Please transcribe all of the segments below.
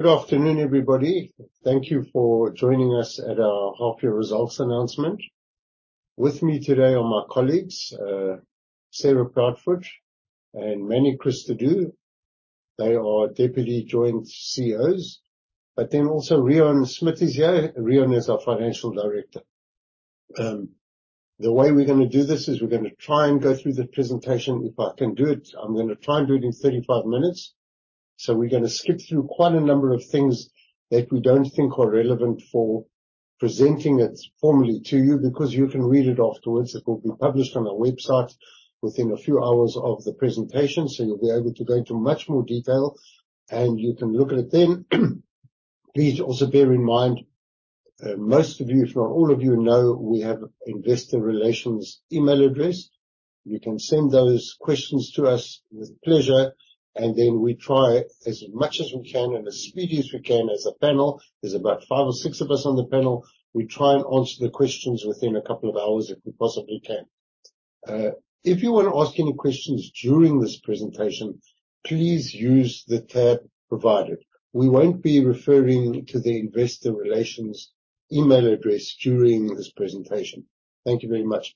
Good afternoon, everybody. Thank you for joining us at our half-year results announcement. With me today are my colleagues, Sarah Proudfoot and Emanuel Cristaudo. They are Deputy Joint CEOs. Reon Smit is here. Reon is our Financial Director. The way we're gonna do this is we're gonna try and go through the presentation. If I can do it, I'm gonna try and do it in 35 minutes. We're gonna skip through quite a number of things that we don't think are relevant for presenting it formally to you because you can read it afterwards. It will be published on our website within a few hours of the presentation, you'll be able to go into much more detail, and you can look at it then. Please also bear in mind, most of you, if not all of you know, we have investor relations email address. You can send those questions to us with pleasure, and then we try as much as we can and as speedy as we can as a panel. There's about five or six of us on the panel. We try and answer the questions within a couple of hours if we possibly can. If you wanna ask any questions during this presentation, please use the tab provided. We won't be referring to the investor relations email address during this presentation. Thank you very much.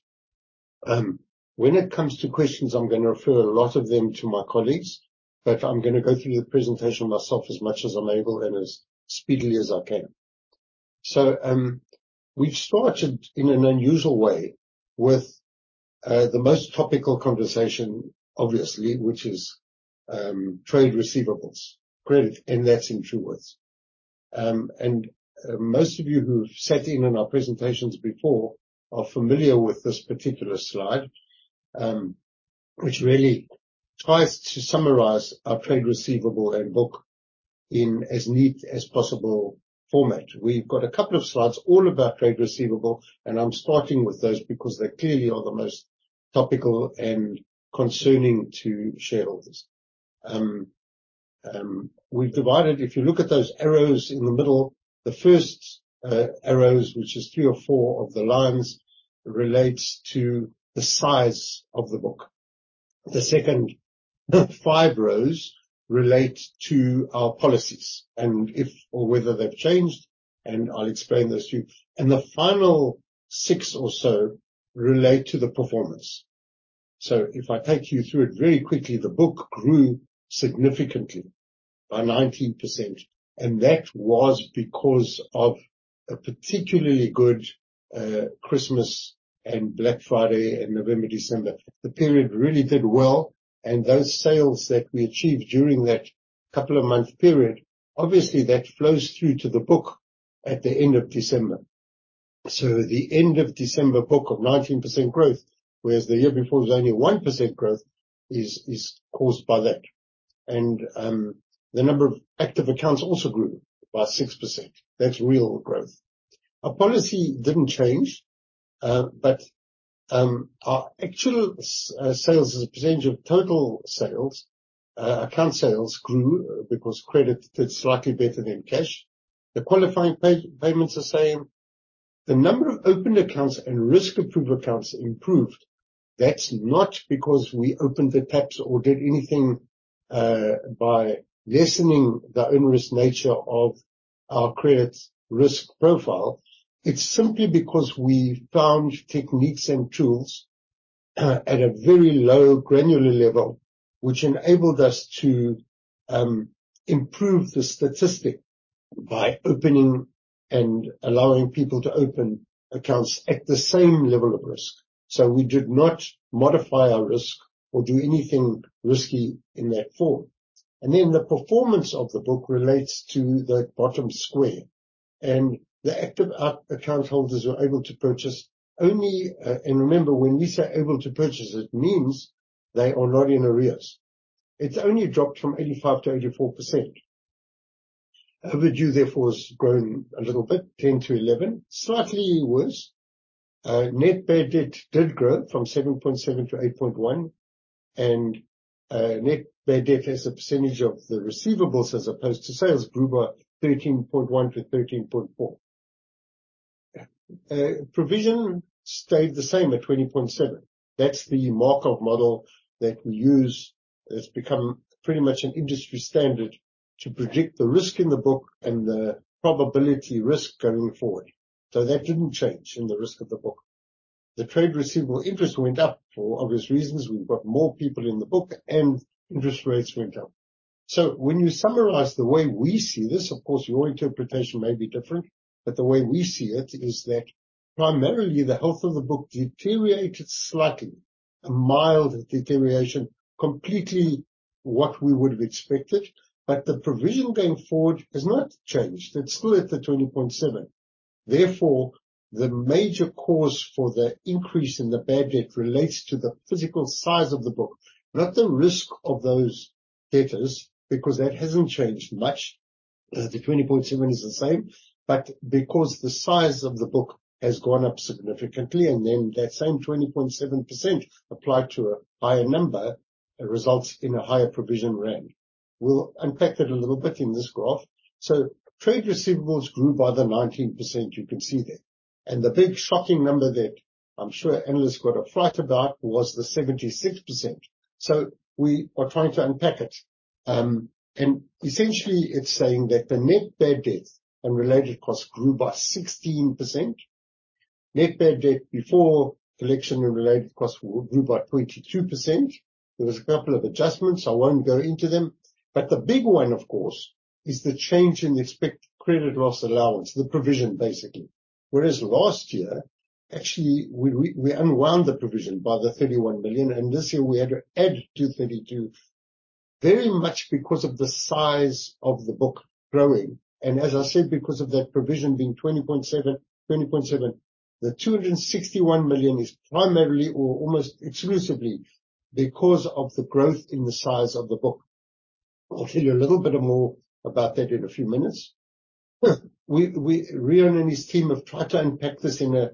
When it comes to questions, I'm gonna refer a lot of them to my colleagues, but I'm gonna go through the presentation myself as much as I'm able and as speedily as I can. We've started in an unusual way with the most topical conversation, obviously, which is trade receivables, credit, and that's in Truworths. Most of you who've sat in on our presentations before are familiar with this particular slide, which really tries to summarize our trade receivable and book in as neat as possible format. We've got a couple of slides all about trade receivable, and I'm starting with those because they clearly are the most topical and concerning to shareholders. We've divided... If you look at those arrows in the middle, the first arrows, which is three or four of the lines, relates to the size of the book. The second, the five rows relate to our policies and if or whether they've changed, and I'll explain those to you. The final six or so relate to the performance. If I take you through it very quickly, the book grew significantly by 19%, and that was because of a particularly good Christmas and Black Friday in November, December. The period really did well, and those sales that we achieved during that couple of month period, obviously, that flows through to the book at the end of December. The end of December book of 19% growth, whereas the year before was only 1% growth is caused by that. The number of active accounts also grew by 6%. That's real growth. Our policy didn't change, but our actual sales as a percentage of total sales, account sales grew because credit did slightly better than cash. The qualifying payments are same. The number of opened accounts and risk-approved accounts improved. That's not because we opened the taps or did anything by lessening the own-risk nature of our credit risk profile. It's simply because we found techniques and tools at a very low granular level, which enabled us to improve the statistic by opening and allowing people to open accounts at the same level of risk. We did not modify our risk or do anything risky in that form. The performance of the book relates to the bottom square. The active account holders were able to purchase only. Remember, when we say able to purchase, it means they are not in arrears. It's only dropped from 85% to 84%. Overdue, therefore, has grown a little bit, 10% to 11%. Slightly worse. Net bad debt did grow from 7.7% to 8.1%, net bad debt as a percentage of the receivables as opposed to sales grew by 13.1% to 13.4%. Provision stayed the same at 20.7%. That's the Markov model that we use. It's become pretty much an industry standard to predict the risk in the book and the probability risk going forward. That didn't change in the risk of the book. The trade receivable interest went up for obvious reasons. We've got more people in the book, and interest rates went up. When you summarize the way we see this, of course, your interpretation may be different, but the way we see it is that primarily the health of the book deteriorated slightly. A mild deterioration, completely what we would have expected. The provision going forward has not changed. It's still at the 20.7%. Therefore, the major cause for the increase in the bad debt relates to the physical size of the book, not the risk of those debtors, because that hasn't changed much. The 20.7% is the same. Because the size of the book has gone up significantly, and then that same 20.7% applied to a higher number, it results in a higher ZAR provision. We'll unpack that a little bit in this graph. Trade receivables grew by the 19% you can see there. The big shocking number that I'm sure analysts got a fright about was the 76%. We are trying to unpack it. Essentially it's saying that the net bad debt and related costs grew by 16%. Net bad debt before collection and related costs grew by 22%. There was a couple of adjustments. I won't go into them, but the big one, of course, is the change in the expected credit loss allowance, the provision, basically. Whereas last year, actually, we unwound the provision by the 31 million, and this year we had to add 232 million, very much because of the size of the book growing. As I said, because of that provision being 20.7%, the 261 million is primarily or almost exclusively because of the growth in the size of the book. I'll tell you a little bit more about that in a few minutes. We... Reon and his team have tried to unpack this in a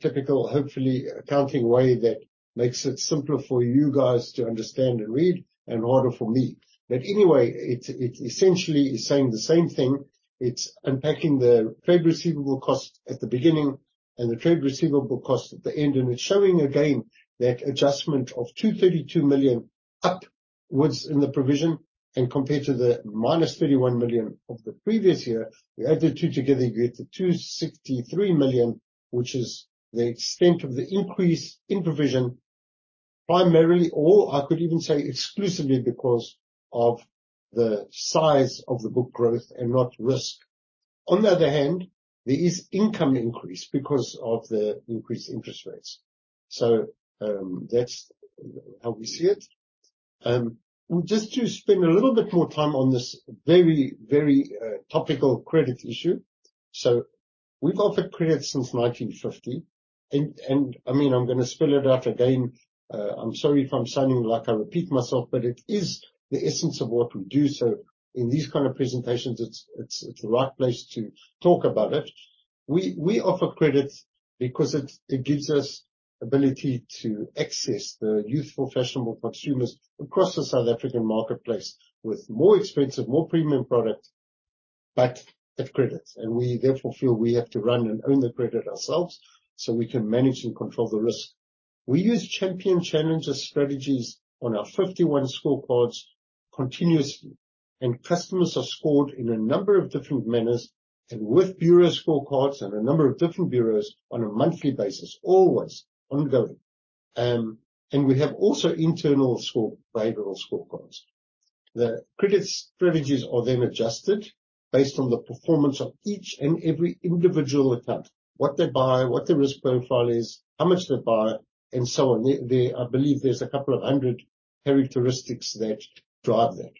typical, hopefully accounting way that makes it simpler for you guys to understand and read and harder for me. Anyway, it essentially is saying the same thing. It's unpacking the trade receivable cost at the beginning and the trade receivable cost at the end. It's showing again that adjustment of 232 million upwards in the provision compared to the minus 31 million of the previous year. You add the two together, you get the 263 million, which is the extent of the increase in provision, primarily, or I could even say exclusively because of the size of the book growth and not risk. On the other hand, there is income increase because of the increased interest rates. That's how we see it. Just to spend a little bit more time on this very topical credit issue. We've offered credit since 1950 and I mean, I'm gonna spell it out again. I'm sorry if I'm sounding like I repeat myself, but it is the essence of what we do. In these kind of presentations, it's the right place to talk about it. We offer credit because it gives us ability to access the youthful, fashionable consumers across the South African marketplace with more expensive, more premium product, but at credit. We therefore feel we have to run and own the credit ourselves so we can manage and control the risk. We use champion challenger strategies on our 51 scorecards continuously, and customers are scored in a number of different manners and with bureau scorecards and a number of different bureaus on a monthly basis, always ongoing. We have also internal score, behavioral scorecards. The credit strategies are then adjusted based on the performance of each and every individual account, what they buy, what their risk profile is, how much they buy, and so on. I believe there's a couple of 100 characteristics that drive that.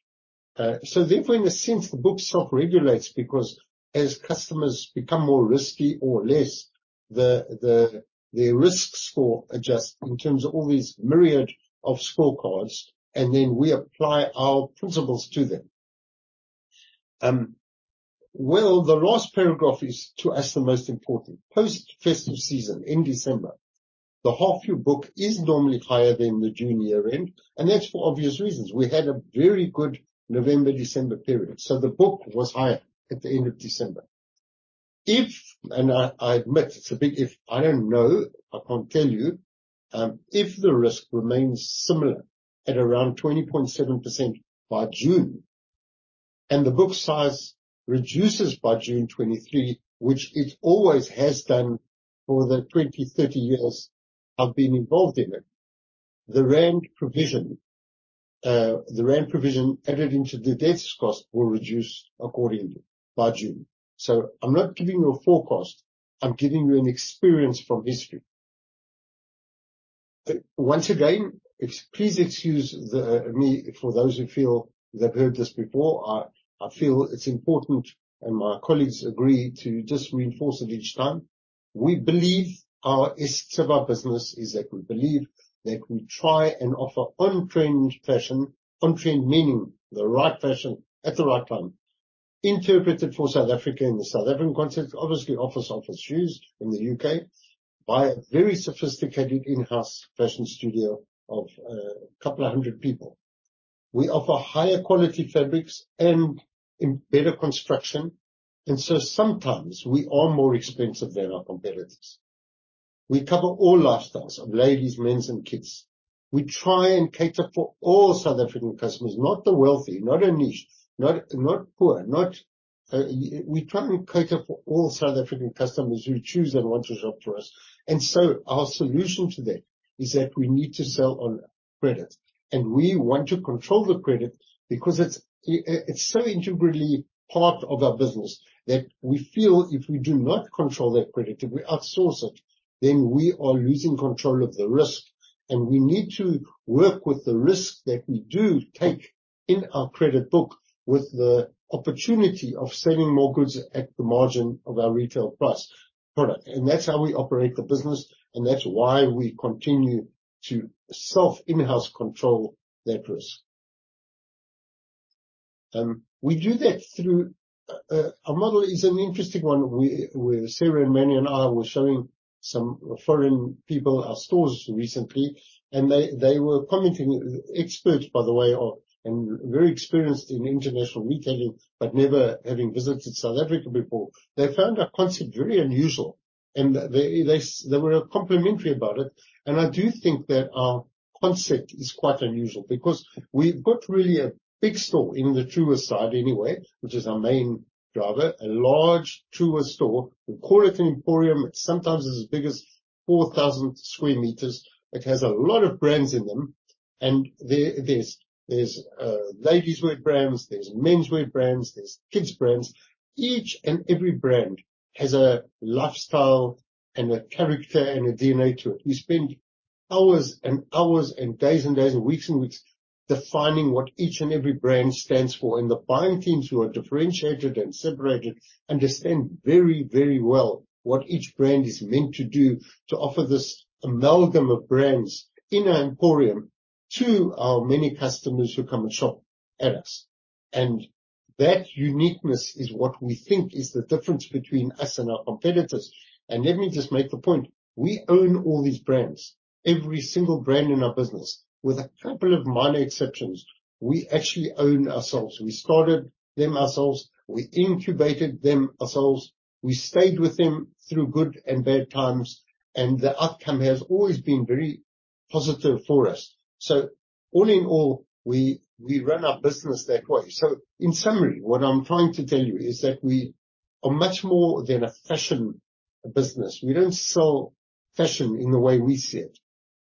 Therefore, in a sense, the book self-regulates because as customers become more risky or less, the risk score adjusts in terms of all these myriad of scorecards, and then we apply our principles to them. Well, the last paragraph is to us, the most important. Post festive season in December, the half year book is normally higher than the June year end. That's for obvious reasons. We had a very good November, December period. The book was higher at the end of December. If, and I admit it's a big if, I don't know, I can't tell you, if the risk remains similar at around 20.7% by June and the book size reduces by June 2023, which it always has done for the 20, 30 years I've been involved in it. The ZAR provision, the ZAR provision added into the debt's cost will reduce accordingly by June. I'm not giving you a forecast, I'm giving you an experience from history. Once again, please excuse me for those who feel they've heard this before. I feel it's important and my colleagues agree to just reinforce it each time. We believe our Truworths business is that we believe that we try and offer on-trend fashion. On-trend meaning the right fashion at the right time. Interpreted for South Africa in the South African context, obviously, Office Shoes in the U.K. by a very sophisticated in-house fashion studio of a couple of 100 people. We offer higher quality fabrics and better construction, sometimes we are more expensive than our competitors. We cover all lifestyles of ladies, men's, and kids. We try and cater for all South African customers. Not the wealthy, not a niche, not poor. We try and cater for all South African customers who choose and want to shop for us. Our solution to that is that we need to sell on credit, and we want to control the credit because it's so integrally part of our business that we feel if we do not control that credit, if we outsource it, then we are losing control of the risk. We need to work with the risk that we do take in our credit book with the opportunity of selling more goods at the margin of our retail price product. That's how we operate the business, and that's why we continue to self in-house control that risk. We do that through, our model is an interesting one. With Sarah and Emanuel and I were showing some foreign people, our stores recently, and they were commenting. Experts by the way, very experienced in international retailing but never having visited South Africa before. They found our concept very unusual, they were complimentary about it. I do think that our concept is quite unusual because we've got really a big store in the Truworths side anyway, which is our main driver, a large Truworths store. We call it an emporium. It sometimes is as big as 4,000 square meters. It has a lot of brands in them, there's ladieswear brands, there's menswear brands, there's kids brands. Each and every brand has a lifestyle and a character and a DNA to it. We spend hours and days and weeks defining what each and every brand stands for. The buying teams who are differentiated and separated understand very, very well what each brand is meant to do to offer this amalgam of brands in our emporium to our many customers who come and shop at us. That uniqueness is what we think is the difference between us and our competitors. Let me just make the point. We own all these brands. Every single brand in our business, with a couple of minor exceptions, we actually own ourselves. We started them ourselves. We incubated them ourselves. We stayed with them through good and bad times, and the outcome has always been very positive for us. All in all, we run our business that way. In summary, what I'm trying to tell you is that we are much more than a fashion business. We don't sell fashion in the way we see it.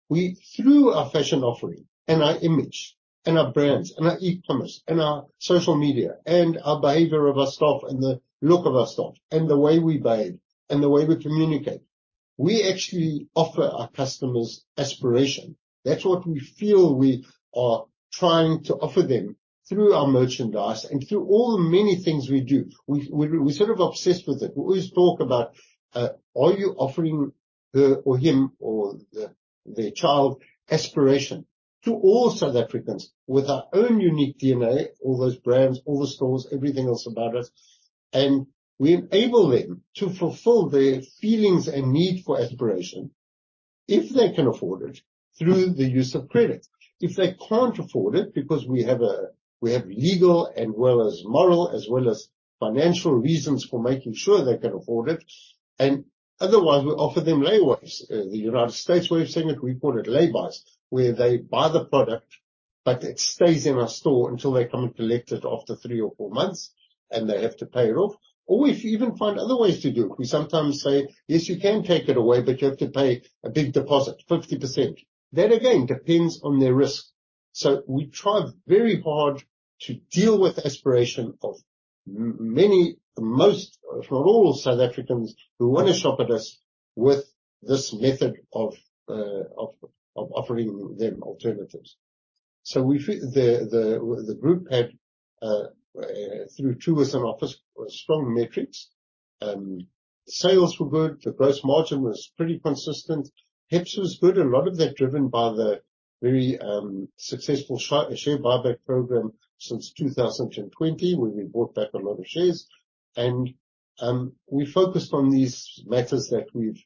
We... Through our fashion offering and our image and our brands and our e-commerce and our social media and our behavior of our staff and the look of our staff and the way we behave and the way we communicate, we actually offer our customers aspiration. That's what we feel we are trying to offer them through our merchandise and through all the many things we do. We're sort of obsessed with it. We always talk about, are you offering her or him or the child aspiration to all South Africans with our own unique DNA, all those brands, all the stores, everything else about us, and we enable them to fulfill their feelings and need for aspiration if they can afford it through the use of credit. If they can't afford it, because we have, we have legal and well as moral, as well as financial reasons for making sure they can afford it. Otherwise, we offer them lay-bys. The United States were saying it, we call it lay-bys, where they buy the product, but it stays in our store until they come and collect it after three or four months. They have to pay it off. If you even find other ways to do it, we sometimes say, "Yes, you can take it away, but you have to pay a big deposit, 50%." That again, depends on their risk. We try very hard to deal with the aspiration of many, most, if not all South Africans who wanna shop at us with this method of offering them alternatives. We feel... The group had through Truworths and Office strong metrics. Sales were good. The gross margin was pretty consistent. HEPS was good, a lot of that driven by the very successful share buyback program since 2020 where we bought back a lot of shares. We focused on these matters that we've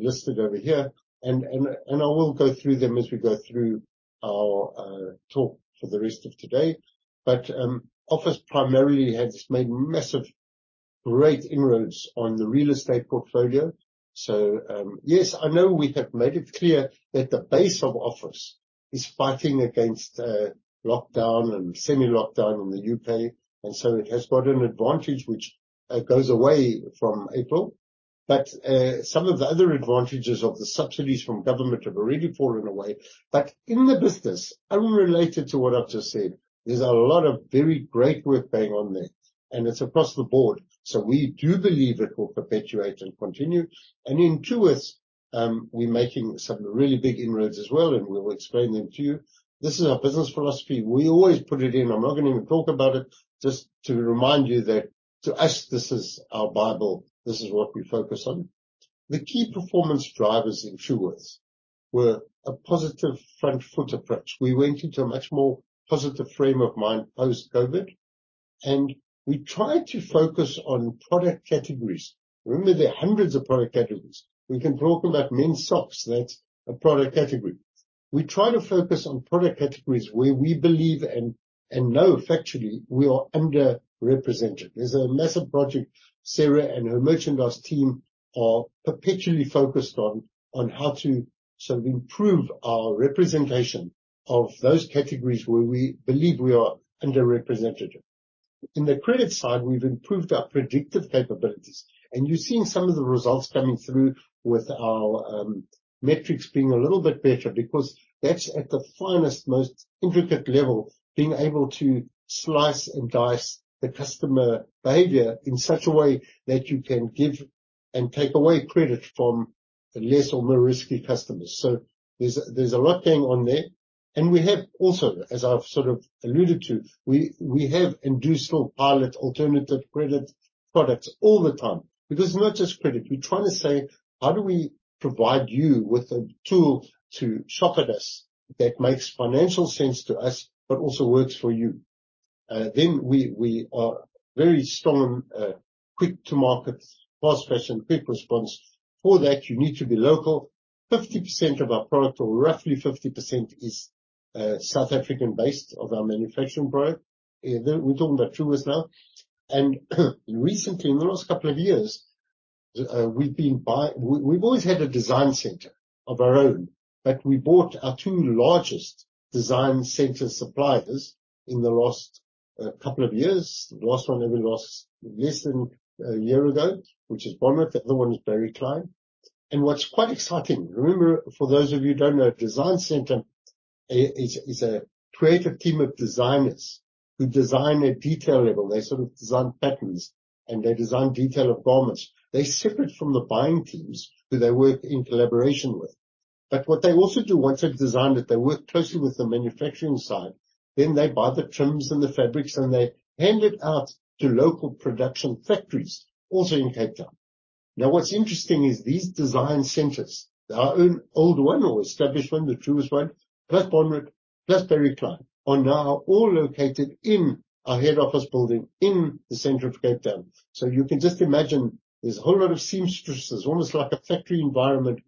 listed over here and I will go through them as we go through our talk for the rest of today. Office primarily has made massive great inroads on the real estate portfolio. Yes, I know we have made it clear that the base of Office is fighting against lockdown and semi-lockdown in the U.K. It has got an advantage which goes away from April. Some of the other advantages of the subsidies from government have already fallen away. In the business, unrelated to what I've just said, there's a lot of very great work going on there, and it's across the board. We do believe it will perpetuate and continue. In Truworths, we're making some really big inroads as well, and we will explain them to you. This is our business philosophy. We always put it in. I'm not gonna even talk about it. Just to remind you that to us, this is our Bible. This is what we focus on. The key performance drivers in Truworths were a positive front foot approach. We went into a much more positive frame of mind post-COVID, and we tried to focus on product categories. Remember, there are hundreds of product categories. We can talk about men's socks, that's a product category. We try to focus on product categories where we believe and know factually we are underrepresented. There's a massive project Sarah and her merchandise team are perpetually focused on how to sort of improve our representation of those categories where we believe we are underrepresented. In the credit side, we've improved our predictive capabilities, and you're seeing some of the results coming through with our metrics being a little bit better because that's at the finest, most intricate level, being able to slice and dice the customer behavior in such a way that you can give and take away credit from less or more risky customers. There's a lot going on there. We have also, as I've sort of alluded to, we have and do still pilot alternative credit products all the time because it's not just credit. We're trying to say, how do we provide you with a tool to shop at us that makes financial sense to us, but also works for you? We are very strong, quick to market, fast fashion, quick response. For that, you need to be local. 50% of our product or roughly 50% is South African-based of our manufacturing, we're talking about Truworths now. Recently, in the last couple of years, we've always had a design center of our own, but we bought our 2 largest design center suppliers in the last couple of years. The last one maybe last less than a year ago, which is Bonwit. The other one is Barrie Cline. What's quite exciting. Remember, for those of you who don't know, design centre is a creative team of designers who design at detail level. They sort of design patterns, and they design detail of garments. They're separate from the buying teams who they work in collaboration with. What they also do once they've designed it, they work closely with the manufacturing side, then they buy the trims and the fabrics, and they hand it out to local production factories also in Cape Town. What's interesting is these design centres, our own old one or established one, the Truworths one, plus Bonwit, plus Barrie Cline, are now all located in our head office building in the center of Cape Town. You can just imagine there's a whole lot of seamstresses, almost like a factory environment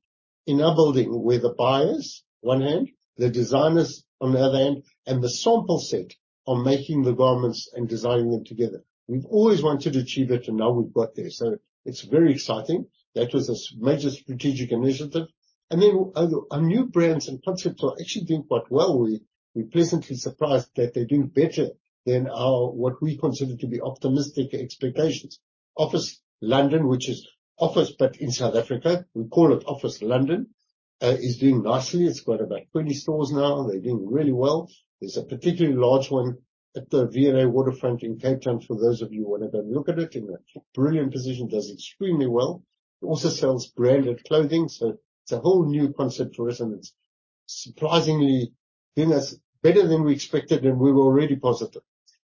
in our building where the buyers one hand, the designers on the other hand, and the sample set are making the garments and designing them together. We've always wanted to achieve it, and now we've got there, so it's very exciting. That was a major strategic initiative. Our new brands and concepts are actually doing quite well. We're pleasantly surprised that they're doing better than what we consider to be optimistic expectations. Office London, which is Office but in South Africa, we call it Office London, is doing nicely. It's got about 20 stores now. They're doing really well. There's a particularly large one at the V&A Waterfront in Cape Town for those of you who wanna go and look at it. In a brilliant position, does extremely well. It also sells branded clothing. It's a whole new concept for us, and it's surprisingly doing us better than we expected, and we were already positive.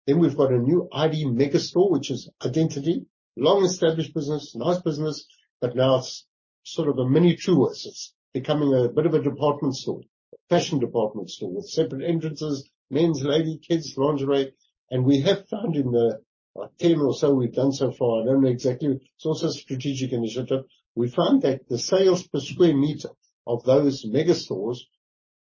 We've got a new ID mega store, which is Identity. Long-established business, nice business, now it's sort of a mini Truworths. It's becoming a bit of a department store, fashion department store with separate entrances, men's, lady, kids, lingerie. We have found in the, like, 10 or so we've done so far, I don't know exactly. It's also a strategic initiative. We found that the sales per square meter of those mega stores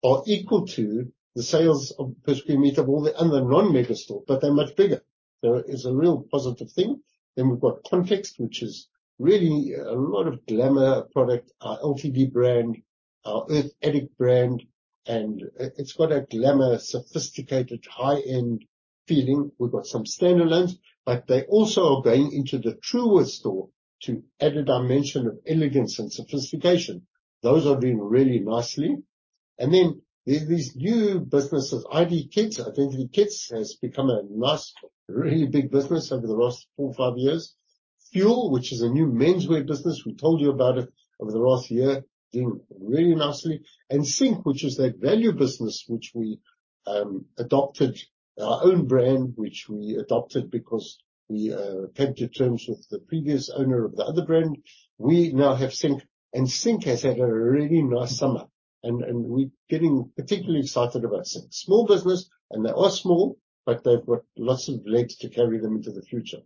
are equal to the sales of... per square meter of all the other non-mega store, they're much bigger. It's a real positive thing. We've got Context, which is really a lot of glamour product, our LTD brand, our Earthaddict brand, it's got a glamour, sophisticated, high-end feeling. We've got some standalones, but they also are going into the Truworths store to add a dimension of elegance and sophistication. Those are doing really nicely. There's these new businesses, ID Kids, Identity Kids, has become a nice, really big business over the last four or five years. Fuel, which is a new menswear business, we told you about it over the last year, doing really nicely. Sync, which is that value business which we adopted, our own brand which we adopted because we came to terms with the previous owner of the other brand. We now have Sync, and Sync has had a really nice summer. We're getting particularly excited about Sync. Small business. They are small, but they've got lots of legs to carry them into the future.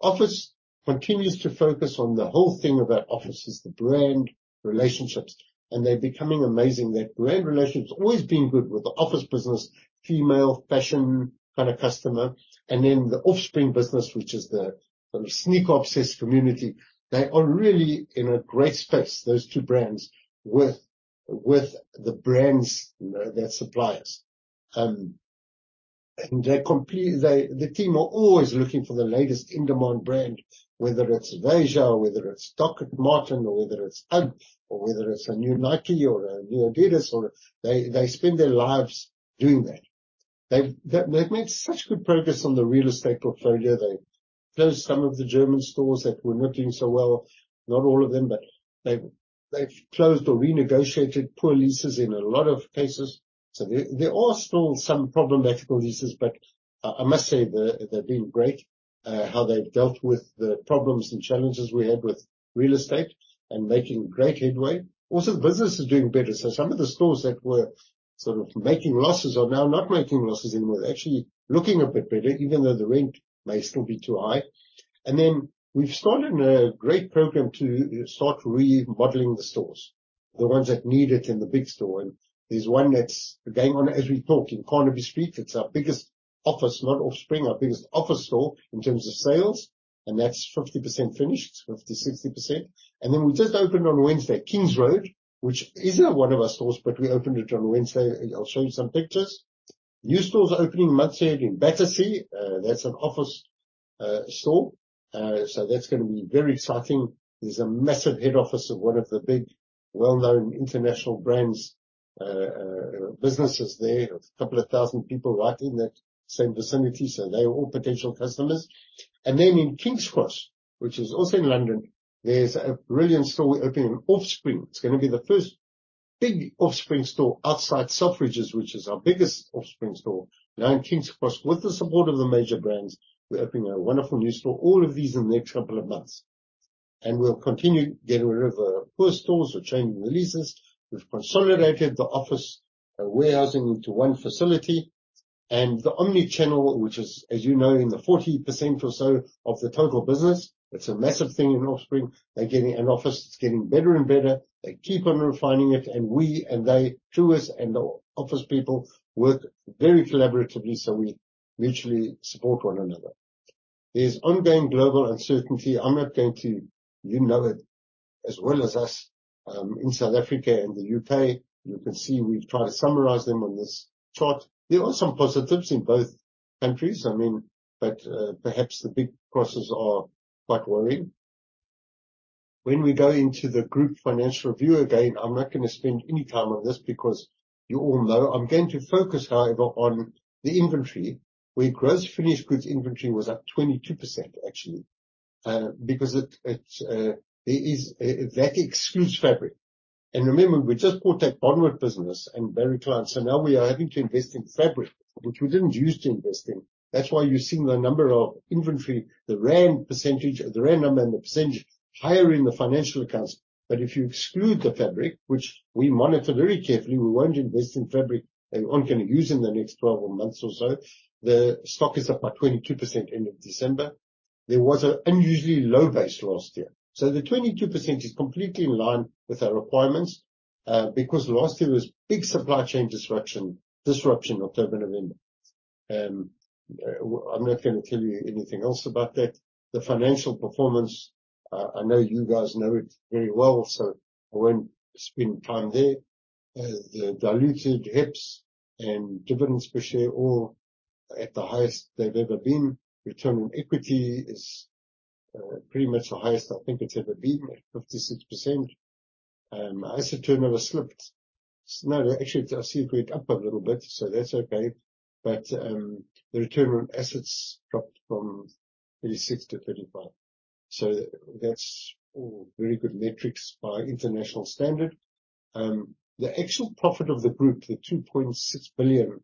Office continues to focus on the whole thing about Office is the brand relationships, and they're becoming amazing. That brand relationship's always been good with the Office business, female, fashion kind of customer. Then the Offspring business, which is the sort of sneaker-obsessed community. They are really in a great space, those two brands, with the brands, you know, their suppliers. The team are always looking for the latest in-demand brand, whether it's VEJA or whether it's Dr. Martens or whether it's UGG or whether it's a new Nike or a new Adidas. They spend their lives doing that. They've made such good progress on the real estate portfolio. They closed some of the German stores that were not doing so well. Not all of them, but they've closed or renegotiated poor leases in a lot of cases. There are still some problematic poor leases, but I must say they're doing great how they've dealt with the problems and challenges we had with real estate and making great headway. The business is doing better. Some of the stores that were sort of making losses are now not making losses anymore. They're actually looking a bit better, even though the rent may still be too high. We've started a great program to start remodeling the stores, the ones that need it in the big store. There's one that's going on as we talk in Carnaby Street. It's our biggest Office, not Offspring, our biggest Office store in terms of sales, that's 50% finished, 50%-60%. Then we just opened on Wednesday, Kings Road, which isn't one of our stores, but we opened it on Wednesday. I'll show you some pictures. New stores are opening months ahead in Battersea. That's an Office store. That's gonna be very exciting. There's a massive head office of one of the big well-known international brands, businesses there. 2,000 people right in that same vicinity, they're all potential customers. Then in Kings Cross, which is also in London, there's a brilliant store we're opening, Offspring. It's gonna be the first big Offspring store outside Selfridges, which is our biggest Offspring store. Now in Kings Cross, with the support of the major brands, we're opening a wonderful new store, all of these in the next couple of months. We'll continue getting rid of poor stores or changing the leases. We've consolidated the Office warehousing into one facility. The omni-channel, which is, as you know, in the 40% or so of the total business, it's a massive thing in Offspring. They're getting an Office that's getting better and better. They keep on refining it, and we and they, Truworths and the Office people work very collaboratively, so we mutually support one another. There's ongoing global uncertainty. You know it as well as us, in South Africa and the U.K. You can see we've tried to summarize them on this chart. There are some positives in both countries. I mean, perhaps the big crosses are quite worrying. When we go into the group financial review, again, I'm not gonna spend any time on this because you all know. I'm going to focus, however, on the inventory, where gross finished goods inventory was up 22%, actually. Because it's That excludes fabric. Remember, we just bought that Bonwit business and Barrie Cline. Now we are having to invest in fabric, which we didn't use to invest in. That's why you're seeing the number of inventory, the rand percentage, the rand number and the percentage higher in the financial accounts. If you exclude the fabric, which we monitor very carefully, we won't invest in fabric that we aren't gonna use in the next 12 months or so. The stock is up by 22% end of December. There was an unusually low base last year. The 22% is completely in line with our requirements, because last year was big supply chain disruption October, November. I'm not gonna tell you anything else about that. The financial performance, I know you guys know it very well, I won't spend time there. The diluted EPS and dividends per share all at the highest they've ever been. Return on equity is pretty much the highest I think it's ever been at 56%. Asset turnover slipped. No, actually, I see it went up a little bit, that's okay. The return on assets dropped from 36% to 35%. That's all very good metrics by international standard. The actual profit of the group, the 2.6 billion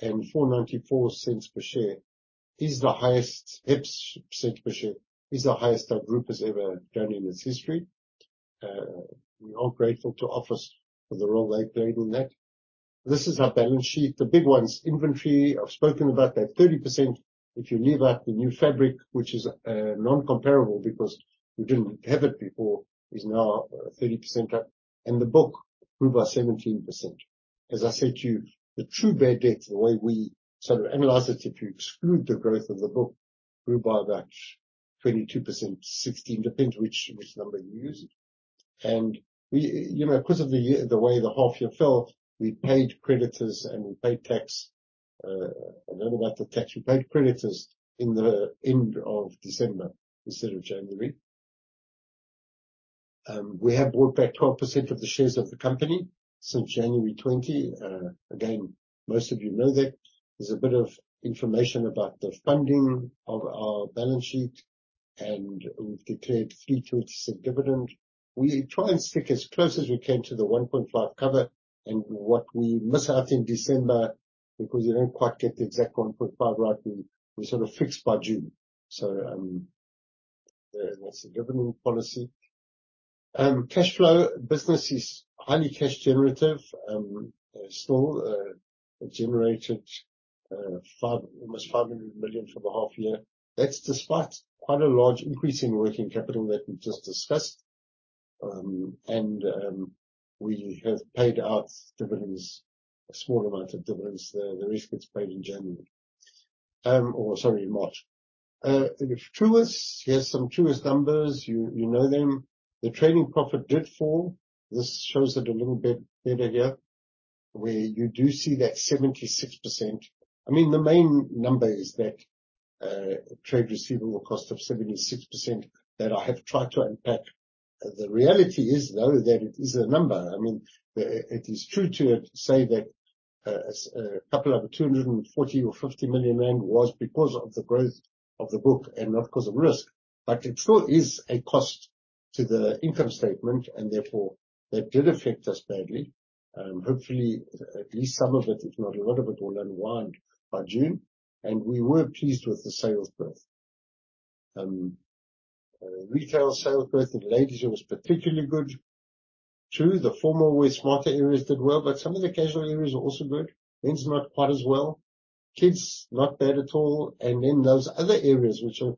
and 4.94 per share, EPS cent per share is the highest our group has ever done in its history. We are grateful to Office for the role they played in that. This is our balance sheet, the big ones. Inventory, I've spoken about that 30%. If you leave out the new fabric, which is non-comparable because we didn't have it before, is now 30% up. The book grew by 17%. As I said to you, the true bad debt, the way we sort of analyze it, if you exclude the growth of the book, grew by about 22%, 16, depends which number you use. We, you know, because of the year, the way the half year felt, we paid creditors and we paid tax. I learned about the tax. We paid creditors in the end of December instead of January. We have bought back 12% of the shares of the company since January 20. Again, most of you know that. There's a bit of information about the funding of our balance sheet. We've declared 0.032 dividend. We try and stick as close as we can to the 1.5 cover and what we miss out in December, because you don't quite get the exact 1.5 right, we sort of fix by June. That's the dividend policy. Cash flow. Business is highly cash generative, almost 500 million for the half year. That's despite quite a large increase in working capital that we've just discussed. We have paid out dividends, a small amount of dividends. The rest gets paid in January. Or sorry, March. Truworths. Here are some Truworths numbers. You know them. The trading profit did fall. This shows it a little bit better here, where you do see that 76%. I mean, the main number is that trade receivable cost of 76% that I have tried to unpack. The reality is, though, that it is a number. I mean, it is true to say that a couple of 240 million-250 million rand was because of the growth of the book and not because of risk. It still is a cost to the income statement, and therefore, that did affect us badly. Hopefully, at least some of it, if not a lot of it, will unwind by June. We were pleased with the sales growth. Retail sales growth in ladieswear was particularly good. True, the formal wear smarter areas did well, but some of the casual areas were also good. Men's not quite as well. Kids, not bad at all. Those other areas which are...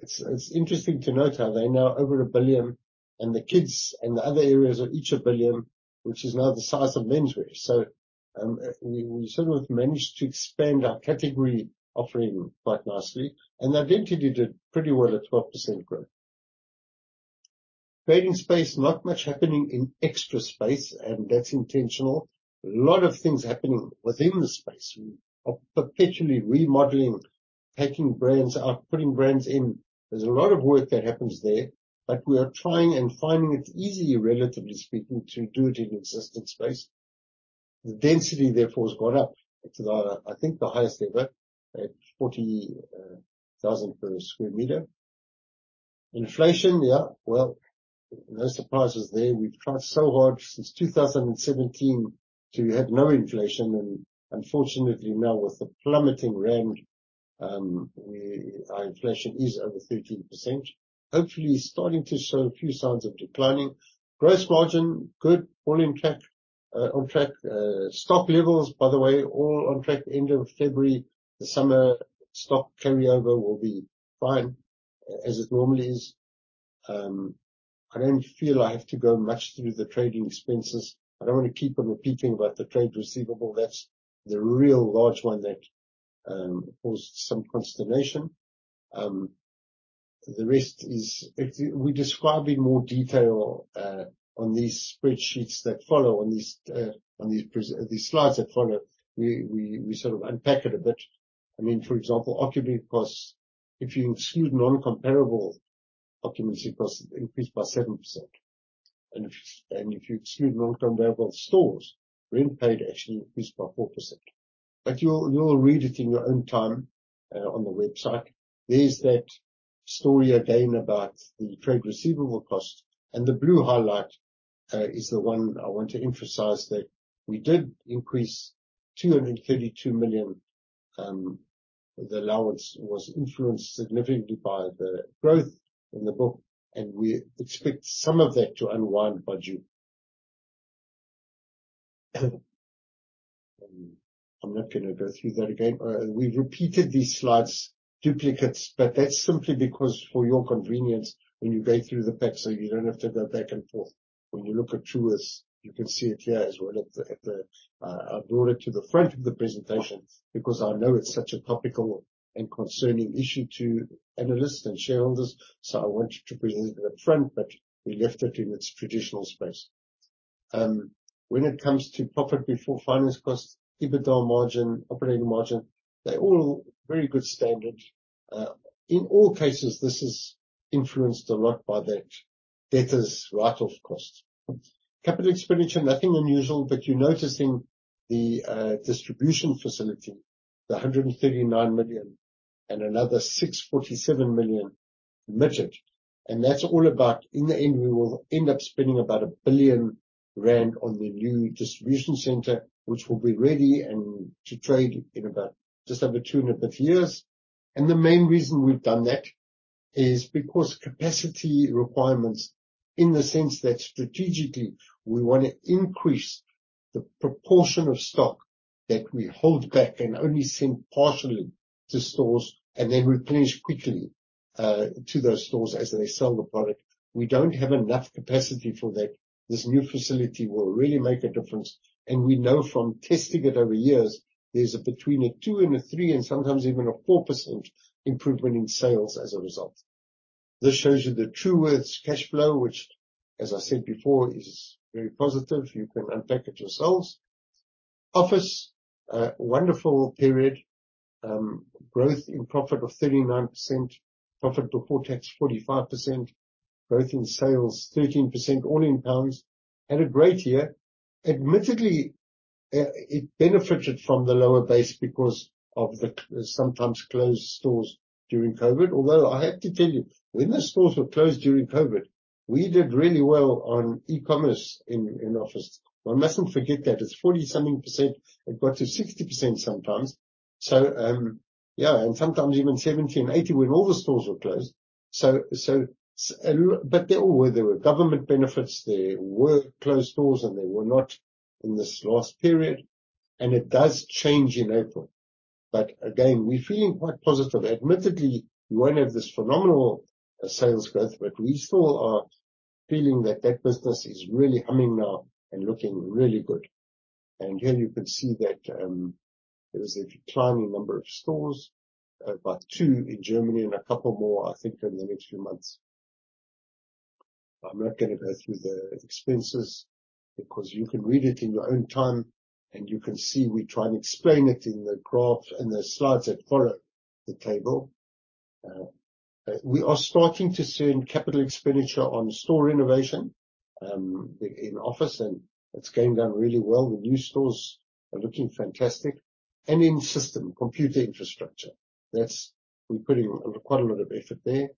it's interesting to note how they're now over 1 billion, and the kids and the other areas are each 1 billion, which is now the size of menswear. We sort of managed to expand our category offering quite nicely. Identity did pretty well at 12% growth. Trading space, not much happening in extra space, and that's intentional. A lot of things happening within the space. We are perpetually remodeling, taking brands out, putting brands in. There's a lot of work that happens there, but we are trying and finding it easy, relatively speaking, to do it in existing space. The density, therefore, has gone up to the, I think, the highest ever at 40,000 per sq m. Inflation, yeah, well-No surprises there. We've tried so hard since 2017 to have no inflation. Unfortunately now with the plummeting rand, our inflation is over 13%. Hopefully starting to show a few signs of declining. Gross margin, good. All in track, on track. Stock levels, by the way, all on track end of February. The summer stock carryover will be fine, as it normally is. I don't feel I have to go much through the trading expenses. I don't want to keep on repeating about the trade receivable. That's the real large one that caused some consternation. The rest is... We describe in more detail on these spreadsheets that follow, on these slides that follow. We sort of unpack it a bit. I mean, for example, occupancy costs. If you exclude non-comparable occupancy costs, it increased by 7%. If you exclude non-comparable stores, rent paid actually increased by 4%. You'll read it in your own time on the website. There's that story again about the trade receivable cost. The blue highlight is the one I want to emphasize that we did increase 232 million. The allowance was influenced significantly by the growth in the book, and we expect some of that to unwind by June. I'm not gonna go through that again. We repeated these slides, duplicates, but that's simply because for your convenience when you go through the pack, so you don't have to go back and forth. When you look at Truworths, you can see it here as well at the, at the... I brought it to the front of the presentation because I know it's such a topical and concerning issue to analysts and shareholders, so I wanted to bring it at the front, but we left it in its traditional space. When it comes to profit before finance cost, EBITDA margin, operating margin, they're all very good standard. In all cases, this is influenced a lot by that debtors write-off cost. Capital expenditure, nothing unusual, but you're noticing the distribution facility, the 139 million and another 647 million committed. That's all about. In the end, we will end up spending about 1 billion rand on the new distribution center, which will be ready and to trade in about just over two and a bit years. The main reason we've done that is because capacity requirements, in the sense that strategically we wanna increase the proportion of stock that we hold back and only send partially to stores and then replenish quickly to those stores as they sell the product. We don't have enough capacity for that. This new facility will really make a difference. We know from testing it over years, there's between a two and a three and sometimes even a 4% improvement in sales as a result. This shows you the Truworths cash flow, which as I said before, is very positive. You can unpack it yourselves. Office, a wonderful period. Growth in profit of 39%. Profit before tax, 45%. Growth in sales, 13%, all in GBP. Had a great year. Admittedly, it benefited from the lower base because of the sometimes closed stores during COVID. I have to tell you, when those stores were closed during COVID, we did really well on e-commerce in Office. We mustn't forget that. It's 40-something%. It got to 60% sometimes. And sometimes even 70% and 80% when all the stores were closed. But there were government benefits, there were closed stores, and they were not in this last period. It does change in April. Again, we're feeling quite positive. Admittedly, we won't have this phenomenal sales growth, we still are feeling that that business is really humming now and looking really good. Here you can see that there is a declining number of stores, about two in Germany and a couple more, I think, in the next few months. I'm not gonna go through the expenses because you can read it in your own time, you can see we try and explain it in the graph and the slides that follow the table. We are starting to see in capital expenditure on store renovation, in Office, it's going down really well. The new stores are looking fantastic. In system, computer infrastructure. We're putting quite a lot of effort there.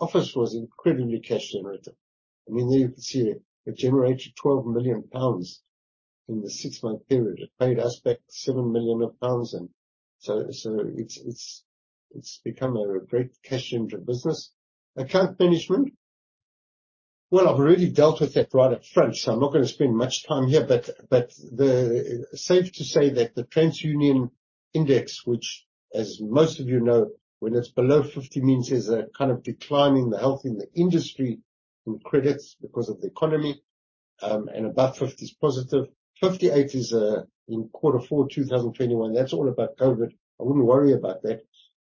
Office was incredibly cash generative. I mean, there you can see it generated 12 million pounds in the six-month period. It paid us back 7 million of pounds. It's become a great cash generator business. Account management. Well, I've already dealt with that right up front, I'm not gonna spend much time here. But safe to say that the TransUnion index, which as most of you know, when it's below 50, means there's a kind of decline in the health in the industry in credits because of the economy, above 50 is positive. 58 is in quarter four 2021. That's all about COVID. I wouldn't worry about that.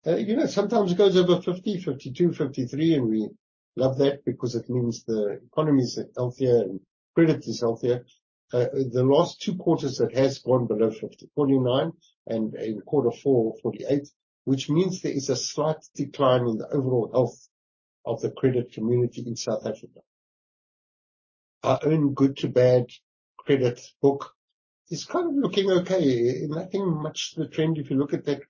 You know, sometimes it goes over 50, 52, 53, we love that because it means the economy is healthier and credit is healthier. The last two quarters, it has gone below 50. 49 and in Q4, 48, which means there is a slight decline in the overall health of the credit community in South Africa. Our own good to bad credit book is kind of looking okay. Nothing much the trend if you look at that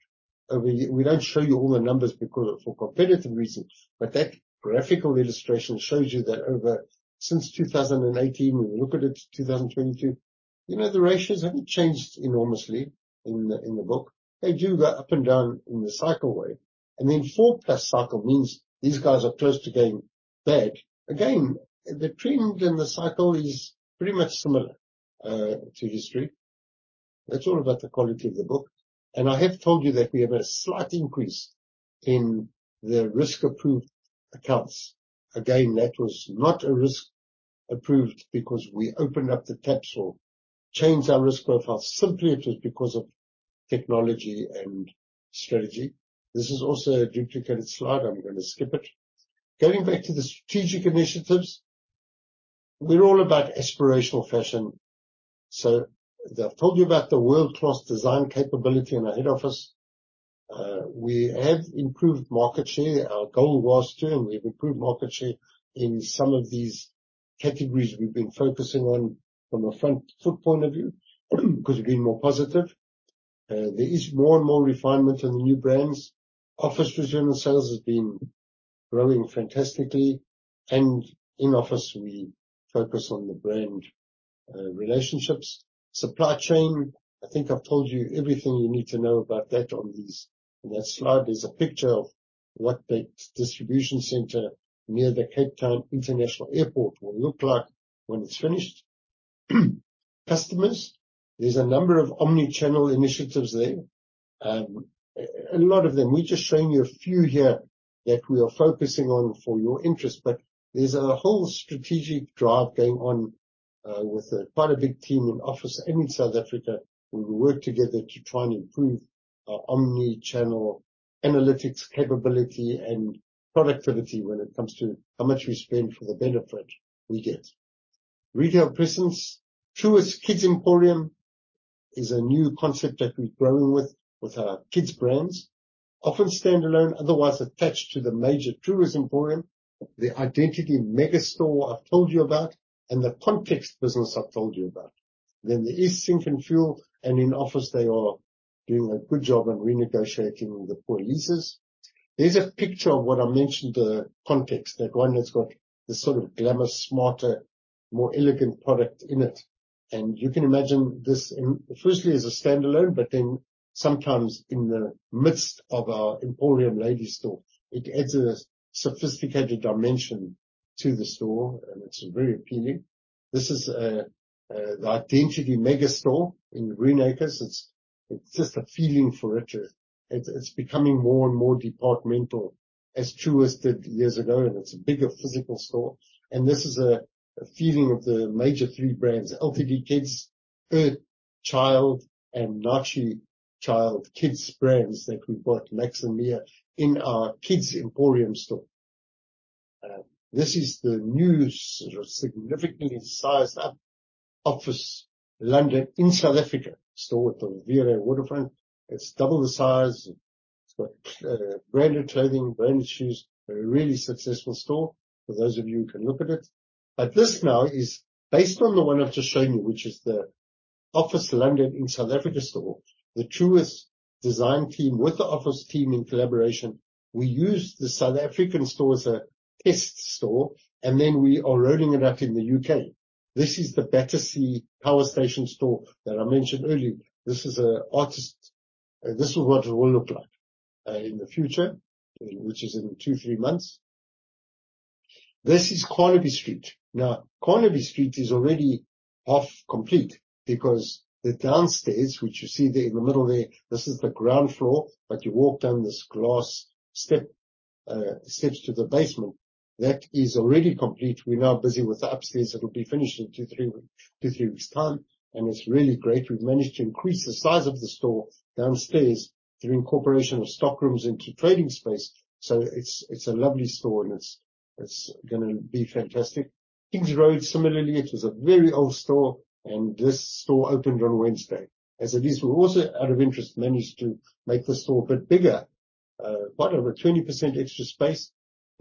over year. We don't show you all the numbers because for competitive reasons, that graphical illustration shows you that over since 2018, we look at it 2022, you know, the ratios haven't changed enormously in the book. They do go up and down in the cycle way. Then 4+ cycle means these guys are close to going bad. Again, the trend in the cycle is pretty much similar to history. That's all about the quality of the book. I have told you that we have a slight increase in the risk-approved accounts. Again, that was not a risk-approved because we opened up the taps or changed our risk profile. Simply it was because of technology and strategy. This is also a duplicated slide. I'm gonna skip it. Getting back to the strategic initiatives. We're all about aspirational fashion. I've told you about the world-class design capability in our head office. We have improved market share. Our goal was to, and we've improved market share in some of these categories we've been focusing on from a front foot point of view because we've been more positive. There is more and more refinement in the new brands. Office regional sales has been growing fantastically. In Office we focus on the brand relationships. Supply chain. I think I've told you everything you need to know about that. On that slide, there's a picture of what the distribution center near the Cape Town International Airport will look like when it's finished. Customers. There's a number of omni-channel initiatives there. A lot of them. We're just showing you a few here that we are focusing on for your interest. There's a whole strategic drive going on with quite a big team in Office and in South Africa, where we work together to try and improve our omni-channel analytics capability and productivity when it comes to how much we spend for the benefit we get. Retail presence. Truworths Kids Emporium is a new concept that we've grown with our kids brands. Often standalone, otherwise attached to the major Truworths Emporium, the Identity Megastore I've told you about. The Context business I've told you about. There is Sync and Fuel. In Office they are doing a good job in renegotiating the poor leases. There's a picture of what I mentioned, the Context, that one that's got this sort of glamour, smarter, more elegant product in it. You can imagine this in firstly as a standalone. Sometimes in the midst of our Emporium ladies store. It adds a sophisticated dimension to the store. It's very appealing. This is the Identity Megastore in Greenacres. It's just a feeling for it. It's becoming more and more departmental as Truworths did years ago. It's a bigger physical store. This is a feeling of the major three brands, LTD Kids, Earthchild, and Naartjie kids brands that we bought Mac and Milla in our Kids Emporium store. This is the new sort of significantly sized up Office London in South Africa store at the V&A Waterfront. It's double the size. It's got branded clothing, branded shoes. A really successful store for those of you who can look at it. This now is based on the one I've just shown you, which is the Office London in South Africa store. The Truworths design team, with the Office team in collaboration, we used the South African store as a test store, and then we are rolling it out in the U.K. This is the Battersea Power Station store that I mentioned earlier. This is an artist... This is what it will look like in the future, which is in two, three months. This is Carnaby Street. Carnaby Street is already half complete because the downstairs, which you see there in the middle there, this is the ground floor, but you walk down this glass steps to the basement. That is already complete. We're now busy with the upstairs. It'll be finished in two, three weeks time, and it's really great. We've managed to increase the size of the store downstairs through incorporation of stock rooms into trading space. It's a lovely store, and it's going to be fantastic. Kings Road, similarly, it was a very old store, and this store opened on Wednesday. As it is, we've also, out of interest, managed to make the store a bit bigger. Whatever, 20% extra space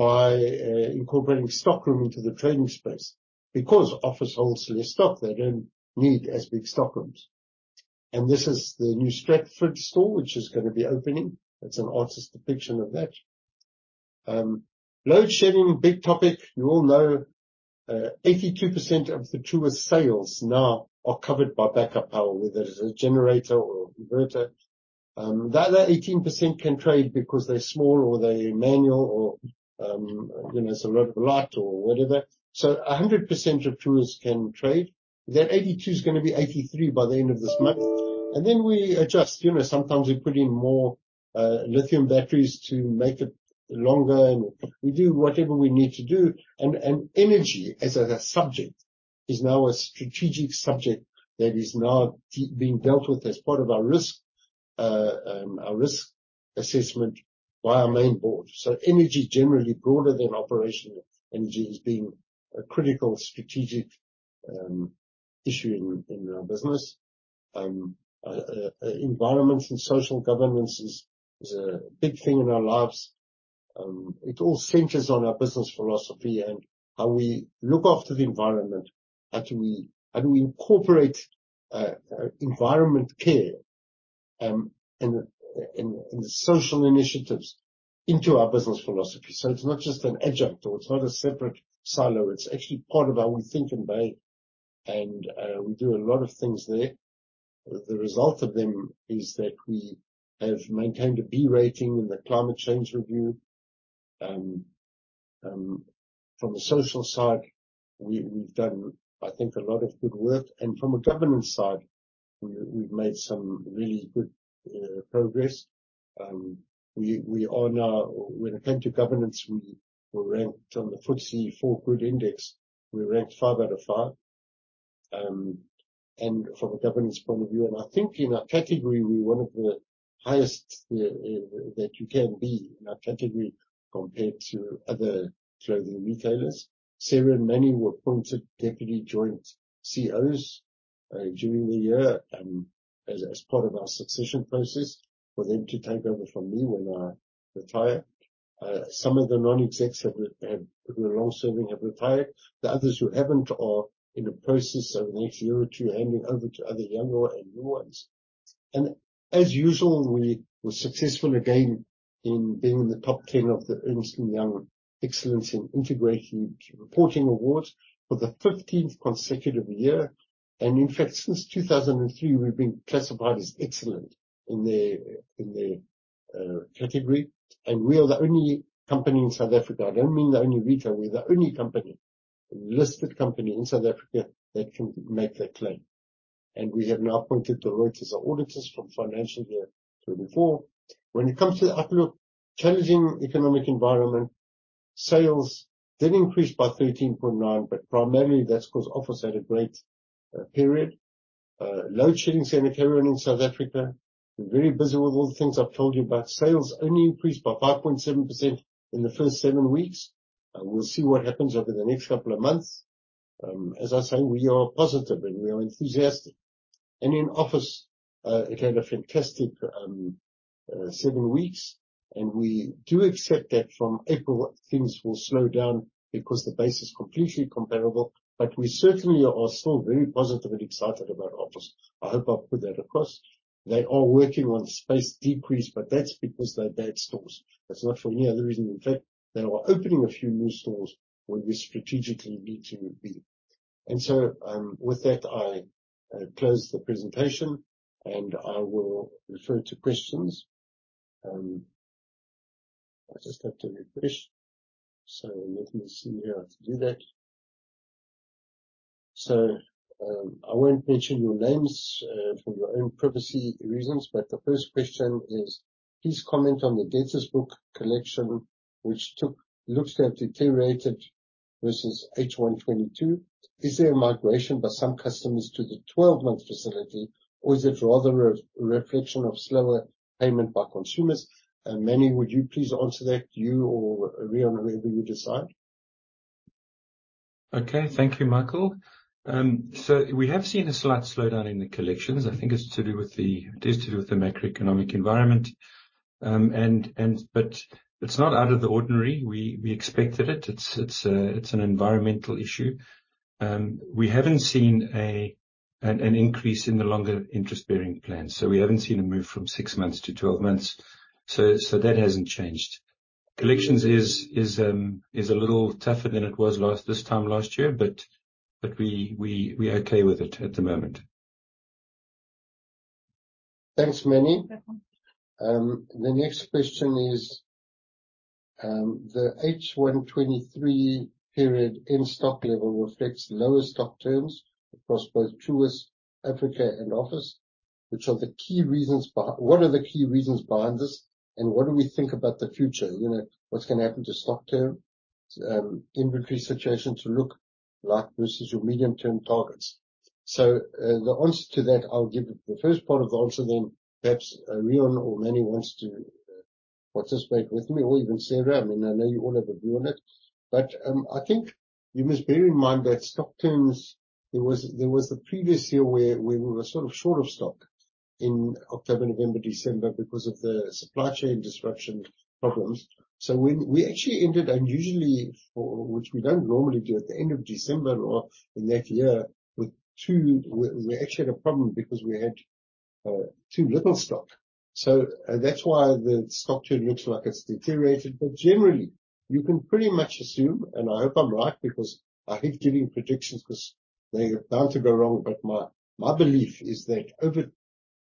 by incorporating stockroom into the trading space. Because Office holds less stock, they don't need as big stock rooms. This is the new Stratford store, which is gonna be opening. That's an artist's depiction of that. Load shedding, big topic. You all know, 82% of the Truworths sales now are covered by backup power, whether it's a generator or inverter. The other 18% can trade because they're small or they're manual or, you know, it's a lot of light or whatever. A 100% of Truworths can trade. Their 82's gonna be 83 by the end of this month. We adjust. You know, sometimes we put in more lithium batteries to make it longer, we do whatever we need to do. Energy as a subject is now a strategic subject that is now being dealt with as part of our risk assessment by our main board. Energy generally broader than operational energy is being a critical strategic issue in our business. Environment and Social Governance is a big thing in our lives. It all centers on our business philosophy and how we look after the environment. How do we incorporate environment care in social initiatives into our business philosophy. It's not just an adjunct or it's not a separate silo, it's actually part of how we think and buy. We do a lot of things there. The result of them is that we have maintained a B rating in the climate change review. From the social side, we've done, I think, a lot of good work. From a governance side, we've made some really good progress. When it came to governance, we were ranked on the FTSE4Good Index. We ranked 5 out of 5. From a governance point of view, and I think in our category, we're one of the highest that you can be in our category compared to other clothing retailers. Sarah and Emanuel were appointed Joint Deputy CEOs during the year as part of our succession process for them to take over from me when I retire. Some of the non-execs who are long-serving have retired. The others who haven't are in the process of next year or two handing over to other younger and new ones. As usual, we were successful again in being in the top 10 of the EY Excellence in Integrated Reporting Awards for the 15th consecutive year. In fact, since 2003 we've been classified as excellent in their category. We are the only company in South Africa. I don't mean the only retail, we're the only listed company in South Africa that can make that claim. We have now appointed the Deloitte auditors from financial year 2024. When it comes to the outlook, challenging economic environment. Sales did increase by 13.9, but primarily that's 'cause Office had a great period. Load shedding scenario in South Africa. We're very busy with all the things I've told you about. Sales only increased by 5.7% in the first seven weeks. We'll see what happens over the next couple of months. As I say, we are positive and we are enthusiastic. In Office, it had a fantastic seven weeks, and we do accept that from April things will slow down because the base is completely comparable. We certainly are still very positive and excited about Office. I hope I've put that across. They are working on space decrease, but that's because they're bad stores. That's not for any other reason. In fact, they are opening a few new stores where we strategically need to be. With that, I close the presentation and I will refer to questions. I just have to refresh, so let me see how to do that. I won't mention your names for your own privacy reasons, the first question is, please comment on the debtors book collection, which looks to have deteriorated versus H1 2022. Is there a migration by some customers to the 12-month facility or is it rather a reflection of slower payment by consumers? Emanuel, would you please answer that? You or Reon, whoever you decide. Okay. Thank you, Michael. We have seen a slight slowdown in the collections. It is to do with the macroeconomic environment. It's not out of the ordinary. We expected it. It's an environmental issue. We haven't seen an increase in the longer interest-bearing plans, we haven't seen a move from 6 months to 12 months. That hasn't changed. Collections is a little tougher than it was this time last year, but we're okay with it at the moment. Thanks, Emanuel. The next question is, the H1 2023 period end stock level reflects lower stock turns across both Truworths Africa and Office. What are the key reasons behind this, and what do we think about the future? You know, what's gonna happen to stock turn, inventory situation to look like versus your medium-term targets? The answer to that, I'll give the first part of the answer then perhaps, Reon or Emanuel wants to participate with me or even Sarah. I mean, I know you all have a view on it, but, I think you must bear in mind that stock turns, there was the previous year where we were sort of short of stock in October, November, December because of the supply chain disruption problems. When we actually ended unusually, for which we don't normally do at the end of December or in that year, we actually had a problem because we had too little stock. That's why the stock turn looks like it's deteriorated. Generally, you can pretty much assume, and I hope I'm right because I hate giving predictions 'cause they're bound to go wrong. My belief is that over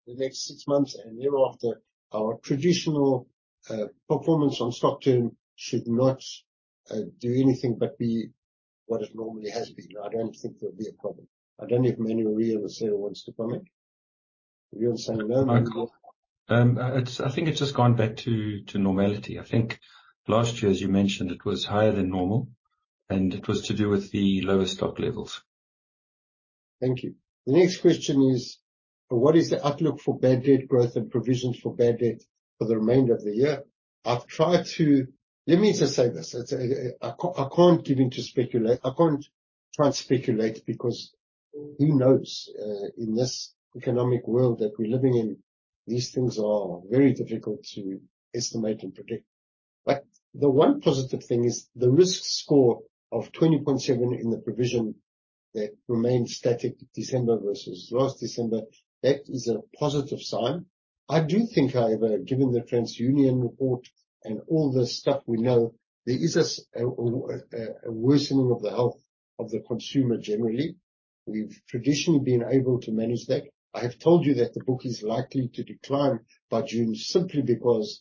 the next 6 months and thereafter, our traditional performance on stock turn should not do anything but be what it normally has been. I don't think there'll be a problem. I don't know if Emanuel or Reon or Sarah wants to comment. Reon's saying no, Michael. I think it's just gone back to normality. I think last year, as you mentioned, it was higher than normal, and it was to do with the lower stock levels. Thank you. The next question is, what is the outlook for bad debt growth and provisions for bad debt for the remainder of the year? Let me just say this. It's, I can't try and speculate because who knows? In this economic world that we're living in, these things are very difficult to estimate and predict. The one positive thing is the risk score of 20.7 in the provision that remained static December versus last December. That is a positive sign. I do think, however, given the TransUnion report and all the stuff we know, there is a worsening of the health of the consumer generally. We've traditionally been able to manage that. I have told you that the book is likely to decline by June simply because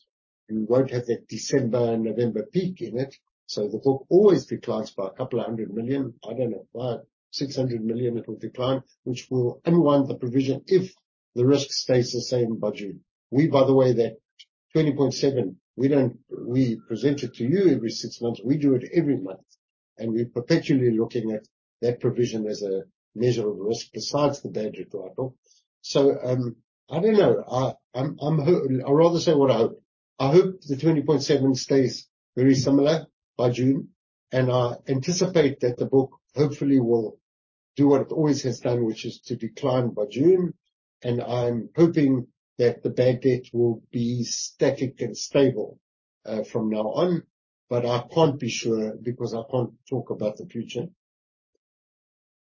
we won't have that December and November peak in it. The book always declines by 200 million. I don't know, by 600 million it will decline, which will unwind the provision if the risk stays the same by June. We by the way that 20.7, we present it to you every 6 months. We do it every month, and we're perpetually looking at that provision as a measure of risk besides the bad debt write-off. I don't know. I'd rather say what I hope. I hope the 20.7 stays very similar by June, and I anticipate that the book hopefully will do what it always has done, which is to decline by June. I'm hoping that the bad debt will be static and stable from now on. I can't be sure because I can't talk about the future.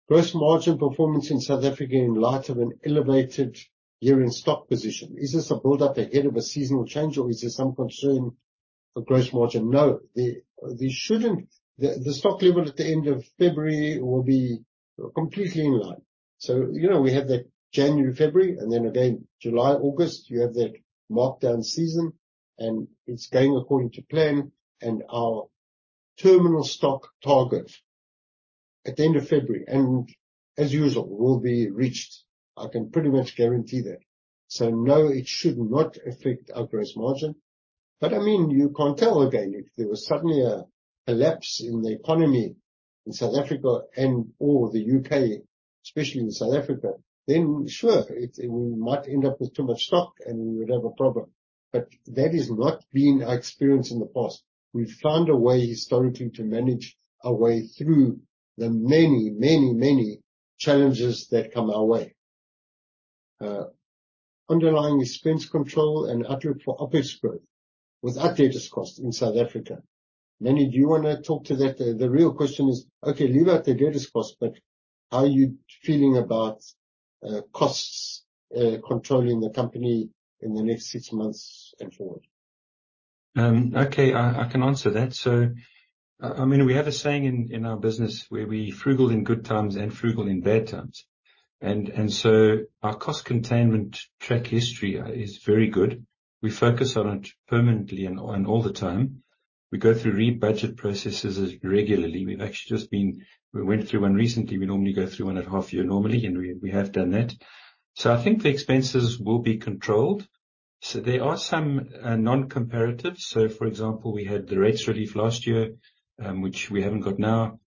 Gross margin performance in South Africa in light of an elevated year-end stock position. Is this a build-up ahead of a seasonal change or is there some concern for gross margin? No, there shouldn't. The stock level at the end of February will be completely in line. You know, we have that January, February and then again July, August, you have that markdown season and it's going according to plan and our terminal stock target at the end of February and as usual will be reached. I can pretty much guarantee that. No, it should not affect our gross margin. I mean, you can't tell again. If there was suddenly a collapse in the economy in South Africa and or the U.K., especially in South Africa, then sure, we might end up with too much stock and we would have a problem. That has not been our experience in the past. We've found a way historically to manage our way through the many challenges that come our way. Underlying expense control and outlook for OpEx growth without debtors cost in South Africa. Emanuel, do you wanna talk to that? The real question is, okay, leave out the debtors cost, how are you feeling about costs controlling the company in the next six months and forward? Okay. I can answer that. I mean, we have a saying in our business where we frugal in good times and frugal in bad times. Our cost containment track history is very good. We focus on it permanently and all the time. We go through rebudget processes regularly. We went through one recently. We normally go through one at half year normally, and we have done that. I think the expenses will be controlled. There are some non-comparatives. For example, we had the rates relief last year, which we haven't got now.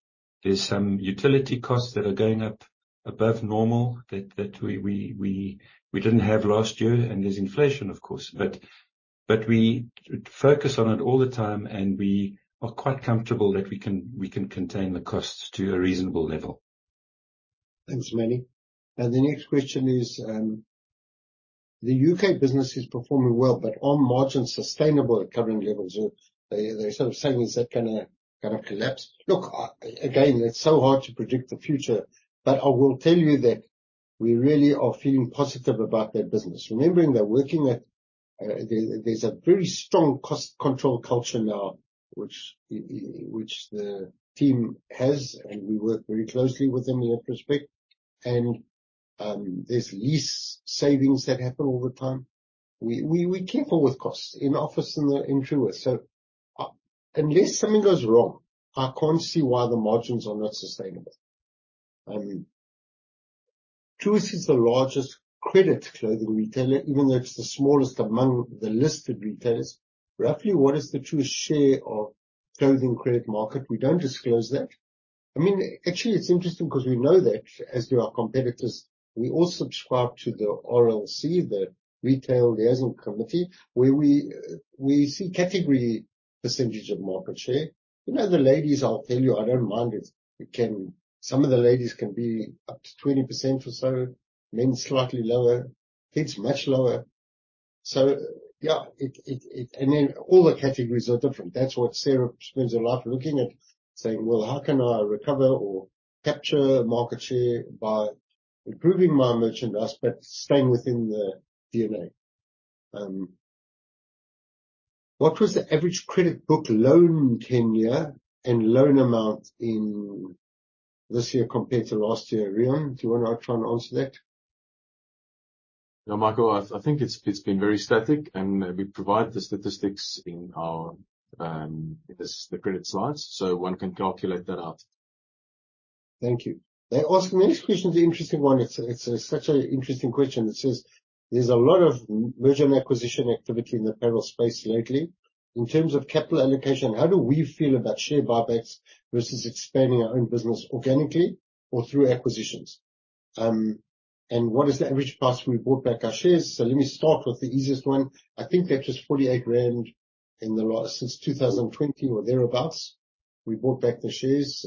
There's some utility costs that are going up above normal that we didn't have last year. There's inflation, of course. We focus on it all the time, and we are quite comfortable that we can contain the costs to a reasonable level. Thanks, Emanuel. The next question is, the U.K. business is performing well, but are margins sustainable at current levels? They're sort of saying, is that going to collapse? Look, again, it's so hard to predict the future, but I will tell you that we really are feeling positive about that business. Remembering they're working at, there's a very strong cost control culture now, which the team has, and we work very closely with them in that respect. There's lease savings that happen all the time. We're careful with costs in Office and the entryware. Unless something goes wrong, I can't see why the margins are not sustainable. Truworths is the largest credit clothing retailer, even though it's the smallest among the listed retailers. Roughly, what is the Truworths share of clothing credit market? We don't disclose that. I mean, actually, it's interesting 'cause we know that as do our competitors, we all subscribe to the RLC, the Retailers' Liaison Committee, where we see category percentage of market share. You know, the ladies, I'll tell you, I don't mind if it can. Some of the ladies can be up to 20% or so. Men, slightly lower. Kids, much lower. Yeah. It. Then all the categories are different. That's what Sarah spends her life looking at, saying, "Well, how can I recover or capture market share by improving my merchandise, but staying within the DNA?" What was the average credit book loan tenure and loan amount in this year compared to last year? Reon, do you wanna try and answer that? Michael, I think it's been very static, and we provide the statistics in our in the credit slides, so one can calculate that out. Thank you. They're asking, the next question is an interesting one. It's such an interesting question. It says: There's a lot of merger and acquisition activity in the apparel space lately. In terms of capital allocation, how do we feel about share buybacks versus expanding our own business organically or through acquisitions? What is the average price we bought back our shares? Let me start with the easiest one. I think we have just ZAR 48,000 in the last since 2020 or thereabouts. We bought back the shares.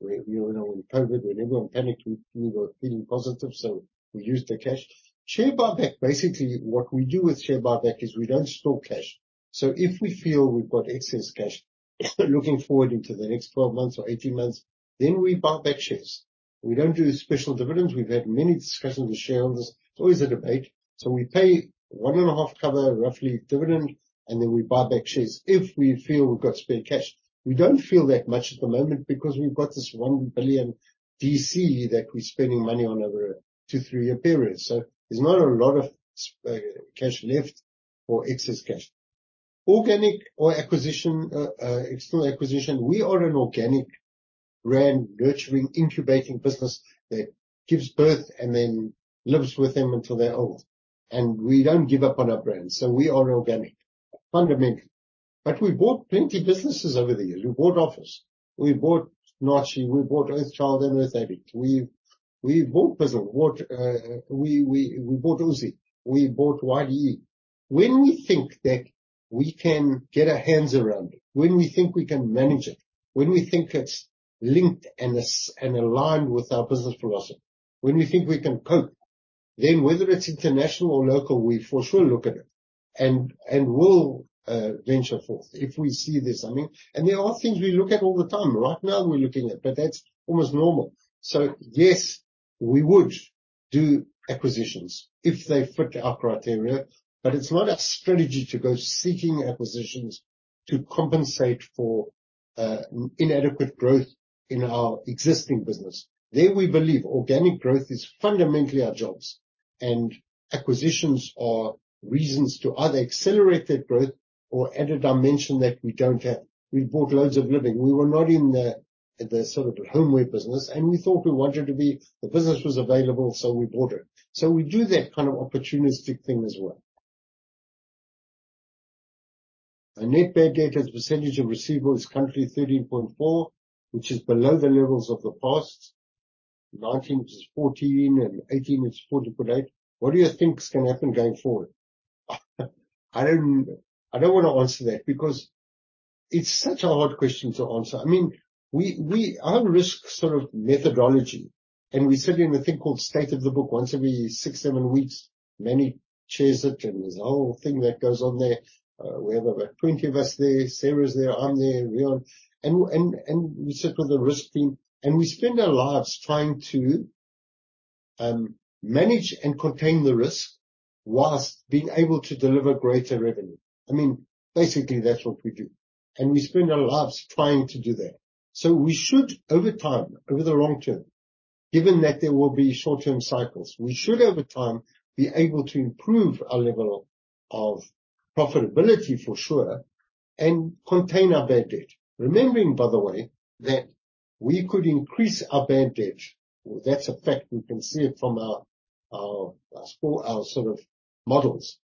We, you know, in COVID when everyone panicked, we were feeling positive, so we used the cash. Share buyback, basically what we do with share buyback is we don't store cash. If we feel we've got excess cash looking forward into the next 12 months or 18 months, then we buy back shares. We don't do special dividends. We've had many discussions with shareholders. It's always a debate. We pay one and a half cover, roughly dividend, and then we buy back shares if we feel we've got spare cash. We don't feel that much at the moment because we've got this 1 billion DC that we're spending money on over a two-, three-year period. There's not a lot of cash left or excess cash. Organic or acquisition, external acquisition. We are an organic brand, nurturing, incubating business that gives birth and then lives with them until they're old. We don't give up on our brands, we are organic fundamentally. We bought plenty businesses over the years. We bought Office, we bought Naartjie, we bought Earthchild and Earthaddict. We bought Puzzle. We bought Uzzi. We bought YDE. When we think that we can get our hands around it, when we think we can manage it, when we think it's linked and aligned with our business philosophy, when we think we can cope, then whether it's international or local, we for sure look at it and we'll venture forth if we see there's something. There are things we look at all the time. Right now we're looking at, but that's almost normal. Yes, we would do acquisitions if they fit our criteria, but it's not our strategy to go seeking acquisitions to compensate for inadequate growth in our existing business. There we believe organic growth is fundamentally our jobs, and acquisitions are reasons to either accelerate that growth or add a dimension that we don't have. We bought Loads of Living. We were not in the sort of the homeware business, we thought we wanted to be. The business was available, we bought it. We do that kind of opportunistic thing as well. The net bad debt as a percentage of receivable is currently 13.4, which is below the levels of the past. 2019 was 14% and 2018 was 14.8%. What do you think is gonna happen going forward? I don't wanna answer that because it's such a hard question to answer. I mean, our risk sort of methodology, we sit in a thing called State of the Book once every 6, 7 weeks. Emanuel chairs it, there's a whole thing that goes on there. We have about 20 of us there. Sarah is there. I'm there. Reon. We sit with the risk team, and we spend our lives trying to manage and contain the risk whilst being able to deliver greater revenue. I mean, basically that's what we do. We spend our lives trying to do that. We should over time, over the long term, given that there will be short-term cycles, we should over time be able to improve our level of profitability for sure and contain our bad debt. Remembering, by the way, that we could increase our bad debt. That's a fact. We can see it from our score, our sort of models,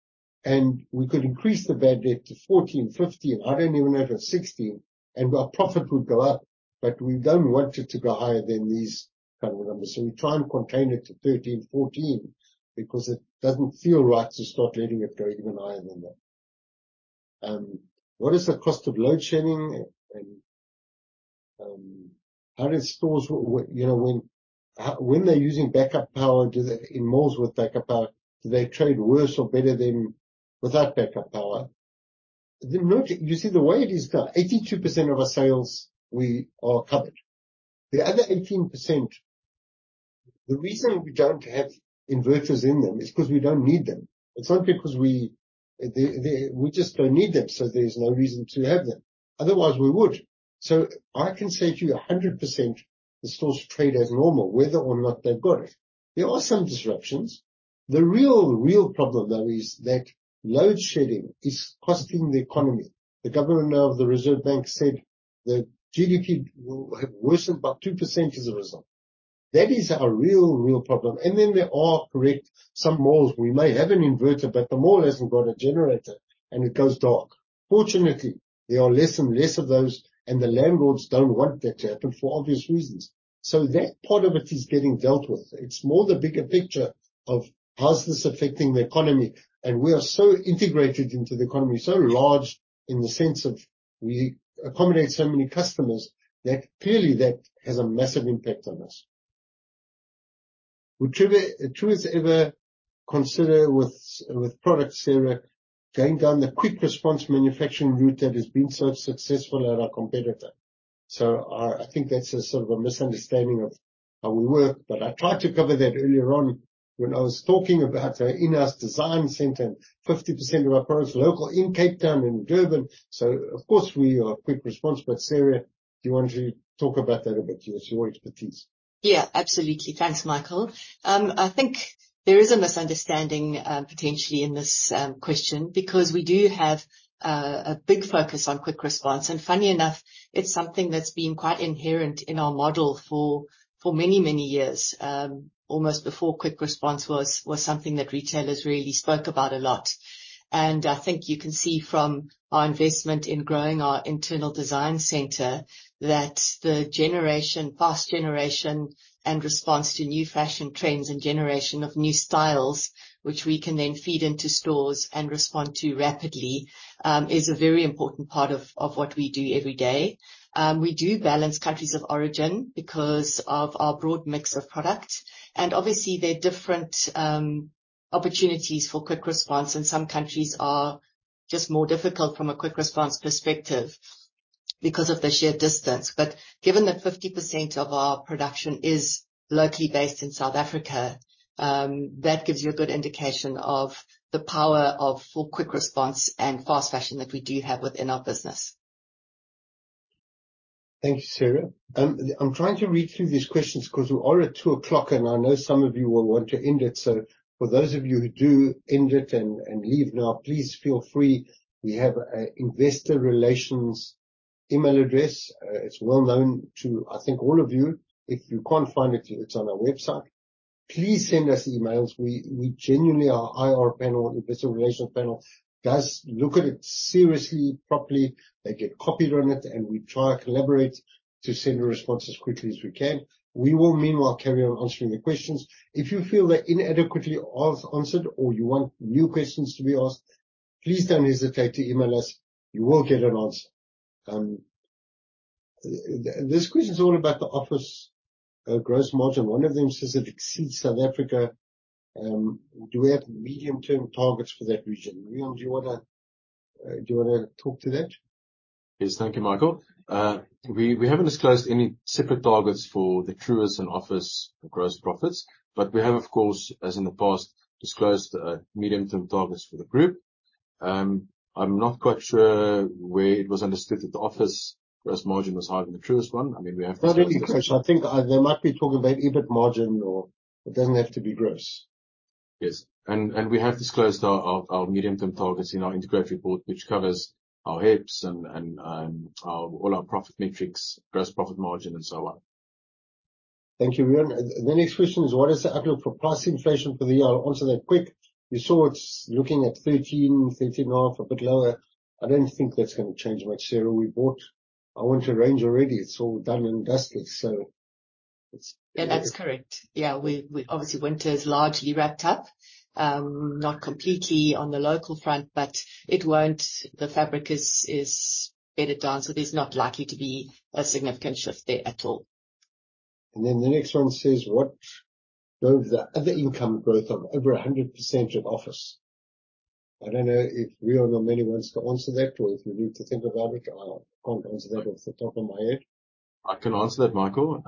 and we could increase the bad debt to 14, 15, I don't even know, to 16, and our profit would go up, but we don't want it to go higher than these kind of numbers. We try and contain it to 13, 14 because it doesn't feel right to start letting it go even higher than that. What is the cost of load shedding and, you know, when they're using backup power, in malls with backup power, do they trade worse or better than without backup power? You see, the way it is cut, 82% of our sales we are covered. The other 18%, the reason we don't have inverters in them is 'cause we don't need them. It's not because we just don't need them, so there's no reason to have them. Otherwise, we would. I can say to you 100% the stores trade as normal whether or not they've got it. There are some disruptions. The real problem, though, is that load shedding is costing the economy. The governor of the Reserve Bank said that GDP worsened by 2% as a result. That is our real problem. There are, correct, some malls we may have an inverter, but the mall hasn't got a generator and it goes dark. Fortunately, there are less and less of those. The landlords don't want that to happen for obvious reasons. That part of it is getting dealt with. It's more the bigger picture of how's this affecting the economy. We are so integrated into the economy, so large in the sense of we accommodate so many customers that clearly that has a massive impact on us. Would True ever consider with products, Sarah, going down the quick response manufacturing route that has been so successful at our competitor? I think that's a sort of a misunderstanding of how we work. I tried to cover that earlier on when I was talking about our in-house design centre and 50% of our products local in Cape Town, in Durban. Of course we are quick response. Sarah, do you want to talk about that a bit? Yes. Your expertise. Yeah, absolutely. Thanks, Michael. I think there is a misunderstanding, potentially in this question because we do have a big focus on quick response. Funny enough, it's something that's been quite inherent in our model for many, many years, almost before quick response was something that retailers really spoke about a lot. I think you can see from our investment in growing our internal design centre that the generation, fast generation and response to new fashion trends and generation of new styles, which we can then feed into stores and respond to rapidly, is a very important part of what we do every day. We do balance countries of origin because of our broad mix of product, and obviously, there are different opportunities for quick response, and some countries are just more difficult from a quick response perspective because of the sheer distance. Given that 50% of our production is locally based in South Africa, that gives you a good indication of the power of full, quick response and fast fashion that we do have within our business. Thank you, Sarah. I'm trying to read through these questions because we are at 2:00, and I know some of you will want to end it. For those of you who do end it and leave now, please feel free. We have an investor relations email address. It's well known to, I think, all of you. If you can't find it's on our website. Please send us emails. We genuinely our IR panel, investor relations panel, does look at it seriously, properly. They get copied on it, and we try to collaborate to send a response as quickly as we can. We will meanwhile carry on answering the questions. If you feel they're inadequately asked, answered, or you want new questions to be asked, please don't hesitate to email us. You will get an answer. This question is all about the Office gross margin. One of them says it exceeds South Africa. Do we have medium-term targets for that region? Reon, do you wanna talk to that? Yes. Thank you, Michael. We haven't disclosed any separate targets for the Truworths and Office gross profits. We have, of course, as in the past, disclosed medium-term targets for the group. I'm not quite sure where it was understood that the Office gross margin was higher than the Truworths one. I mean, we have Not any question. I think they might be talking about EBIT margin or it doesn't have to be gross. Yes. We have disclosed our medium-term targets in our integrated report, which covers our HEPS and all our profit metrics, gross profit margin, and so on. Thank you, Reon. The next question is: What is the outlook for price inflation for the year? I'll answer that quick. We saw it's looking at 13%, 13.5%, a bit lower. I don't think that's going to change much, Sarah. We bought our winter range already. It's all done and dusted. Yeah, that's correct. Yeah. We obviously winter is largely wrapped up, not completely on the local front, but it won't. The fabric is bedded down, so there's not likely to be a significant shift there at all. The next one says: What drove the other income growth of over 100% of Office? I don't know if Reon or Melanie wants to answer that or if you need to think about it. I can't answer that off the top of my head. I can answer that, Michael.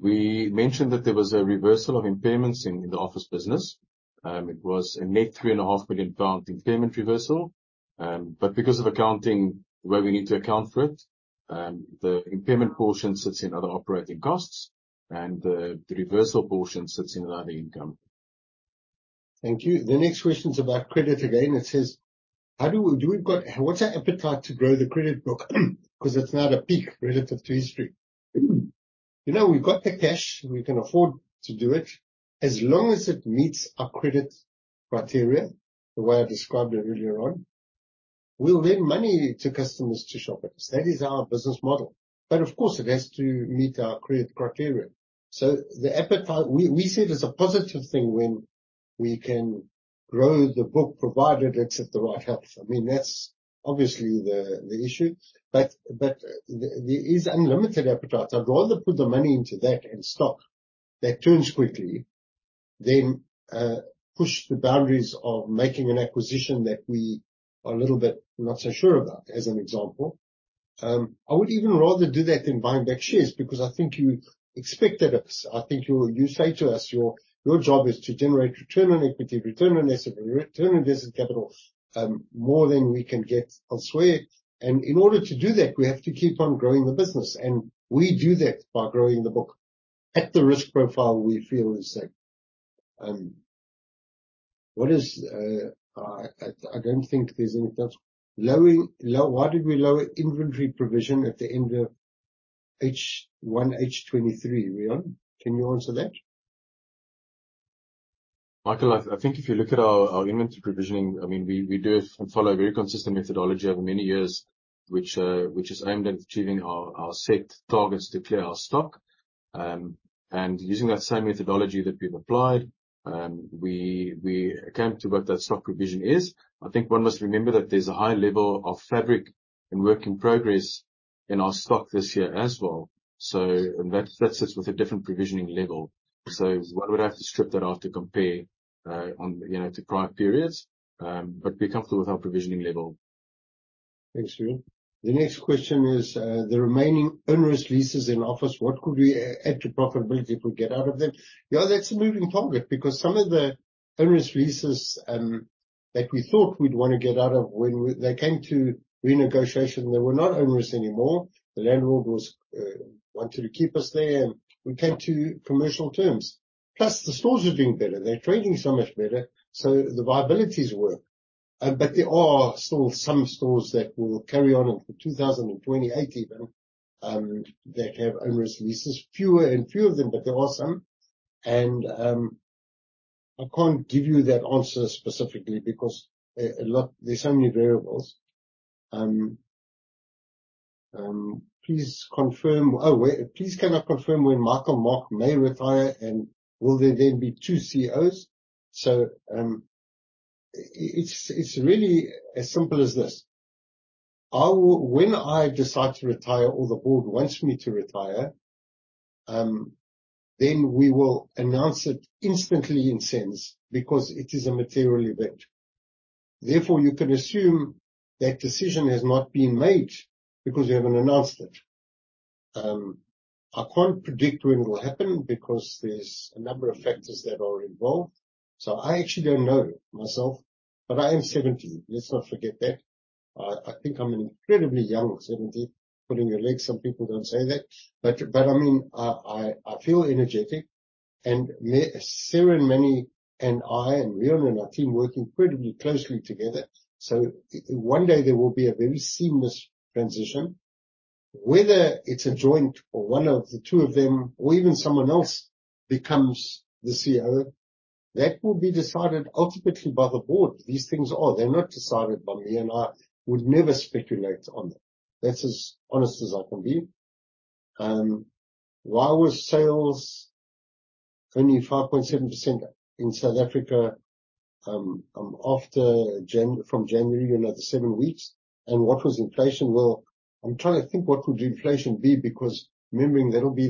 We mentioned that there was a reversal of impairments in the Office business. It was a net 3.5 million pound impairment reversal. Because of accounting, the way we need to account for it, the impairment portion sits in other operating costs, and the reversal portion sits in other income. Thank you. The next question is about credit again. It says: What's our appetite to grow the credit book? 'Cause it's now at a peak relative to history. You know, we've got the cash. We can afford to do it as long as it meets our credit criteria, the way I described it earlier on. We'll lend money to customers to shop with us. That is our business model. Of course, it has to meet our credit criteria. The appetite— We see it as a positive thing when we can grow the book, provided it's at the right health. I mean, that's obviously the issue, but there is unlimited appetite. I'd rather put the money into that and stock that turns quickly than push the boundaries of making an acquisition that we are a little bit not so sure about, as an example. I would even rather do that than buying back shares because I think you expect that of us. I think you say to us, your job is to generate return on equity, return on asset, return on invested capital, more than we can get elsewhere. In order to do that, we have to keep on growing the business, and we do that by growing the book at the risk profile we feel is safe. What is... I, I don't think there's any doubt. Why did we lower inventory provision at the end of H1 2023, Reon? Can you answer that? Michael, I think if you look at our inventory provisioning, I mean, we do and follow a very consistent methodology over many years, which is aimed at achieving our set targets to clear our stock. Using that same methodology that we've applied, we came to what that stock revision is. I think one must remember that there's a high level of fabric and work in progress in our stock this year as well, so that sits with a different provisioning level. One would have to strip that off to compare, on, you know, to prior periods, but we're comfortable with our provisioning level. Thanks, Reon. The next question is, the remaining onerous leases in Office, what could we add to profitability if we get out of them? Yeah, that's a moving target because some of the onerous leases that we thought we'd wanna get out of, when they came to renegotiation, they were not onerous anymore. The landlord wanted to keep us there, we came to commercial terms. Plus, the stores are doing better. They're trading so much better, so the viabilities work. There are still some stores that will carry on until 2028 even that have onerous leases. Fewer and fewer of them, but there are some. I can't give you that answer specifically because there's so many variables. Please confirm... Oh, wait, please can I confirm when Michael Mark may retire and will there then be two CEOs? It's really as simple as this. When I decide to retire or the board wants me to retire, we will announce it instantly in sense because it is a material event. You can assume that decision has not been made because we haven't announced it. I can't predict when it will happen because there's a number of factors that are involved. I actually don't know myself, but I am 70. Let's not forget that. I think I'm an incredibly young 70. Pulling your leg. Some people don't say that. I mean, I feel energetic and Sarah and Emanuel and I and Reon and our team work incredibly closely together. One day there will be a very seamless transition, whether it's a joint or one of the two of them or even someone else becomes the CEO, that will be decided ultimately by the board. They're not decided by me, and I would never speculate on that. That's as honest as I can be. Why was sales only 5.7% in South Africa after January, another seven weeks? What was inflation? Well, I'm trying to think what would inflation be, because remembering it would be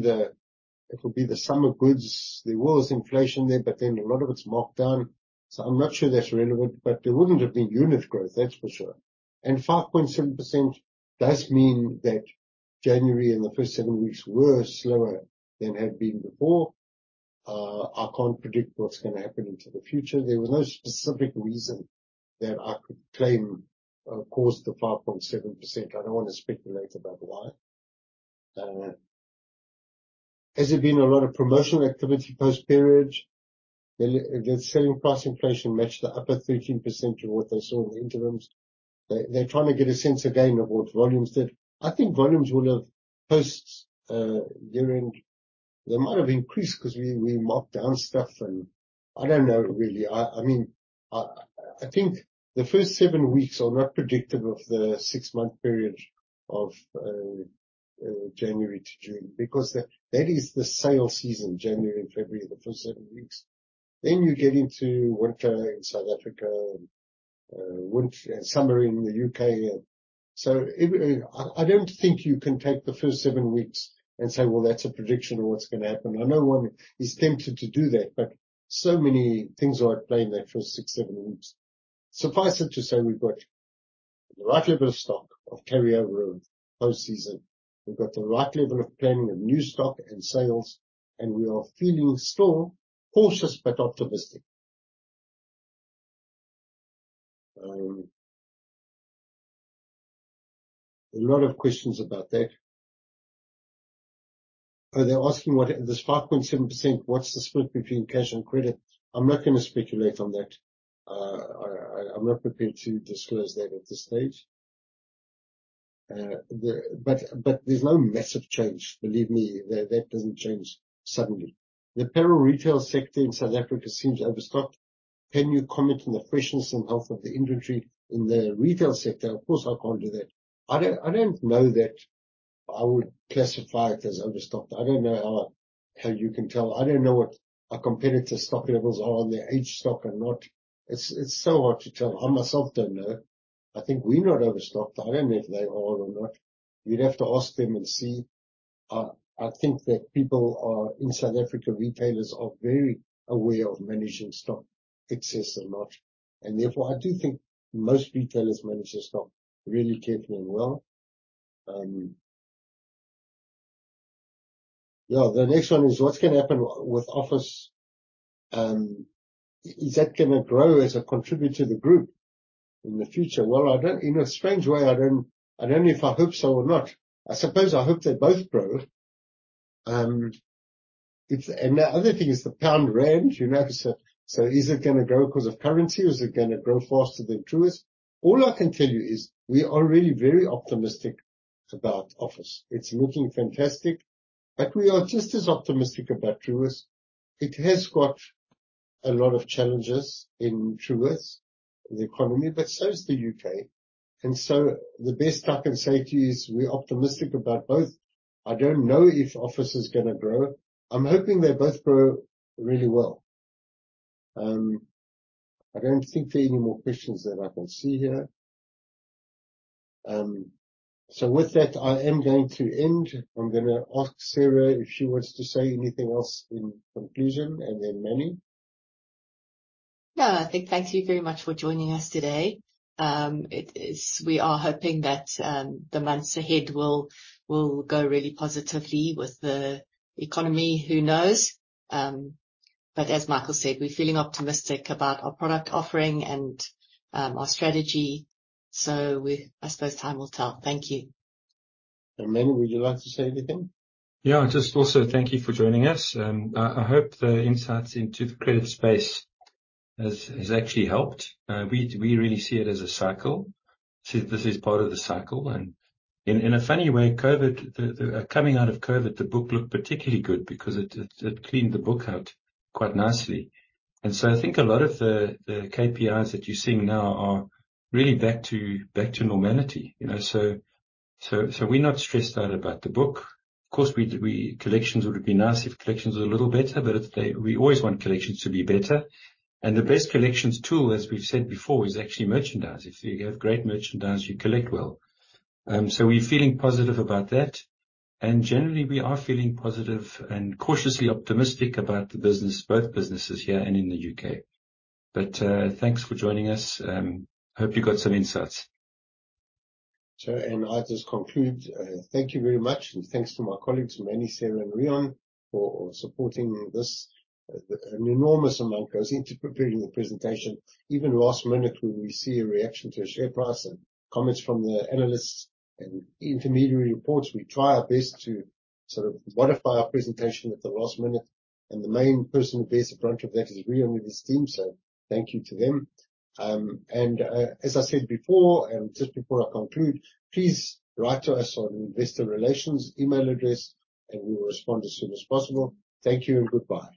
the summer goods. There was inflation there, but then a lot of it's marked down. I'm not sure that's relevant. There wouldn't have been unit growth, that's for sure. 5.7% does mean that January and the first seven weeks were slower than had been before. I can't predict what's gonna happen into the future. There was no specific reason that I could claim caused the 5.7%. I don't wanna speculate about why. Has there been a lot of promotional activity post-period? Did selling price inflation match the upper 13% of what they saw in the interims? They're trying to get a sense again of what volumes did. I think volumes will have posts year-end. They might have increased 'cause we marked down stuff and I don't know really. I think the first 7 weeks are not predictive of the 6-month period of January to June, because that is the sale season, January and February, the first 7 weeks. You get into winter in South Africa and summer in the U.K. I don't think you can take the first 7 weeks and say, "Well, that's a prediction of what's gonna happen." I know one is tempted to do that, but so many things are at play in that first 6, 7 weeks. Suffice it to say, we've got the right level of stock of carryover post-season. We've got the right level of planning of new stock and sales, we are feeling still cautious but optimistic. A lot of questions about that. They're asking what. This 5.7%, what's the split between cash and credit? I'm not gonna speculate on that. I'm not prepared to disclose that at this stage. There's no massive change. Believe me, that doesn't change suddenly. The apparel retail sector in South Africa seems overstocked. Can you comment on the freshness and health of the industry in the retail sector? Of course, I can't do that. I don't know that I would classify it as overstocked. I don't know how you can tell. I don't know what our competitor stock levels are on their age stock or not. It's so hard to tell. I myself don't know. I think we're not overstocked. I don't know if they are or not. You'd have to ask them and see. I think that people are, in South Africa, retailers are very aware of managing stock, excess or not. Therefore, I do think most retailers manage their stock really carefully and well. Yeah. The next one is what's gonna happen with Office? Is that gonna grow as a contributor to the group in the future? Well, I don't. In a strange way, I don't know if I hope so or not. I suppose I hope they both grow. It's. The other thing is the pound-rand, you know. Is it gonna grow because of currency? Is it gonna grow faster than Truworths? All I can tell you is we are really very optimistic about Office. It's looking fantastic. We are just as optimistic about Truworths. It has got a lot of challenges in Truworths, the economy, but so is the U.K. The best I can say to you is we're optimistic about both. I don't know if Office is gonna grow. I'm hoping they both grow really well. I don't think there are any more questions that I can see here. With that, I am going to end. I'm gonna ask Sarah if she wants to say anything else in conclusion, and then Emanuel. No, I think thank you very much for joining us today. We are hoping that the months ahead will go really positively with the economy. Who knows? As Michael said, we're feeling optimistic about our product offering and our strategy. I suppose time will tell. Thank you. Emanuel, would you like to say anything? Just also thank you for joining us. I hope the insights into the creative space has actually helped. We really see it as a cycle. This is part of the cycle and in a funny way, COVID. Coming out of COVID, the book looked particularly good because it cleaned the book out quite nicely. I think a lot of the KPIs that you're seeing now are really back to normality, you know. We're not stressed out about the book. Of course, Collections would have been nice if collections were a little better. We always want collections to be better. The best collections tool, as we've said before, is actually merchandise. If you have great merchandise, you collect well. We're feeling positive about that. Generally, we are feeling positive and cautiously optimistic about the business, both businesses here and in the UK. Thanks for joining us. Hope you got some insights. I'll just conclude. Thank you very much, and thanks to my colleagues, Emanuel, Sarah and Reon, for supporting this. An enormous amount goes into preparing the presentation. Even last minute, when we see a reaction to a share price and comments from the analysts and intermediary reports, we try our best to sort of modify our presentation at the last minute. The main person who bears the brunt of that is Reon and his team, so thank you to them. As I said before, and just before I conclude, please write to us on investor relations email address. We will respond as soon as possible. Thank you and goodbye.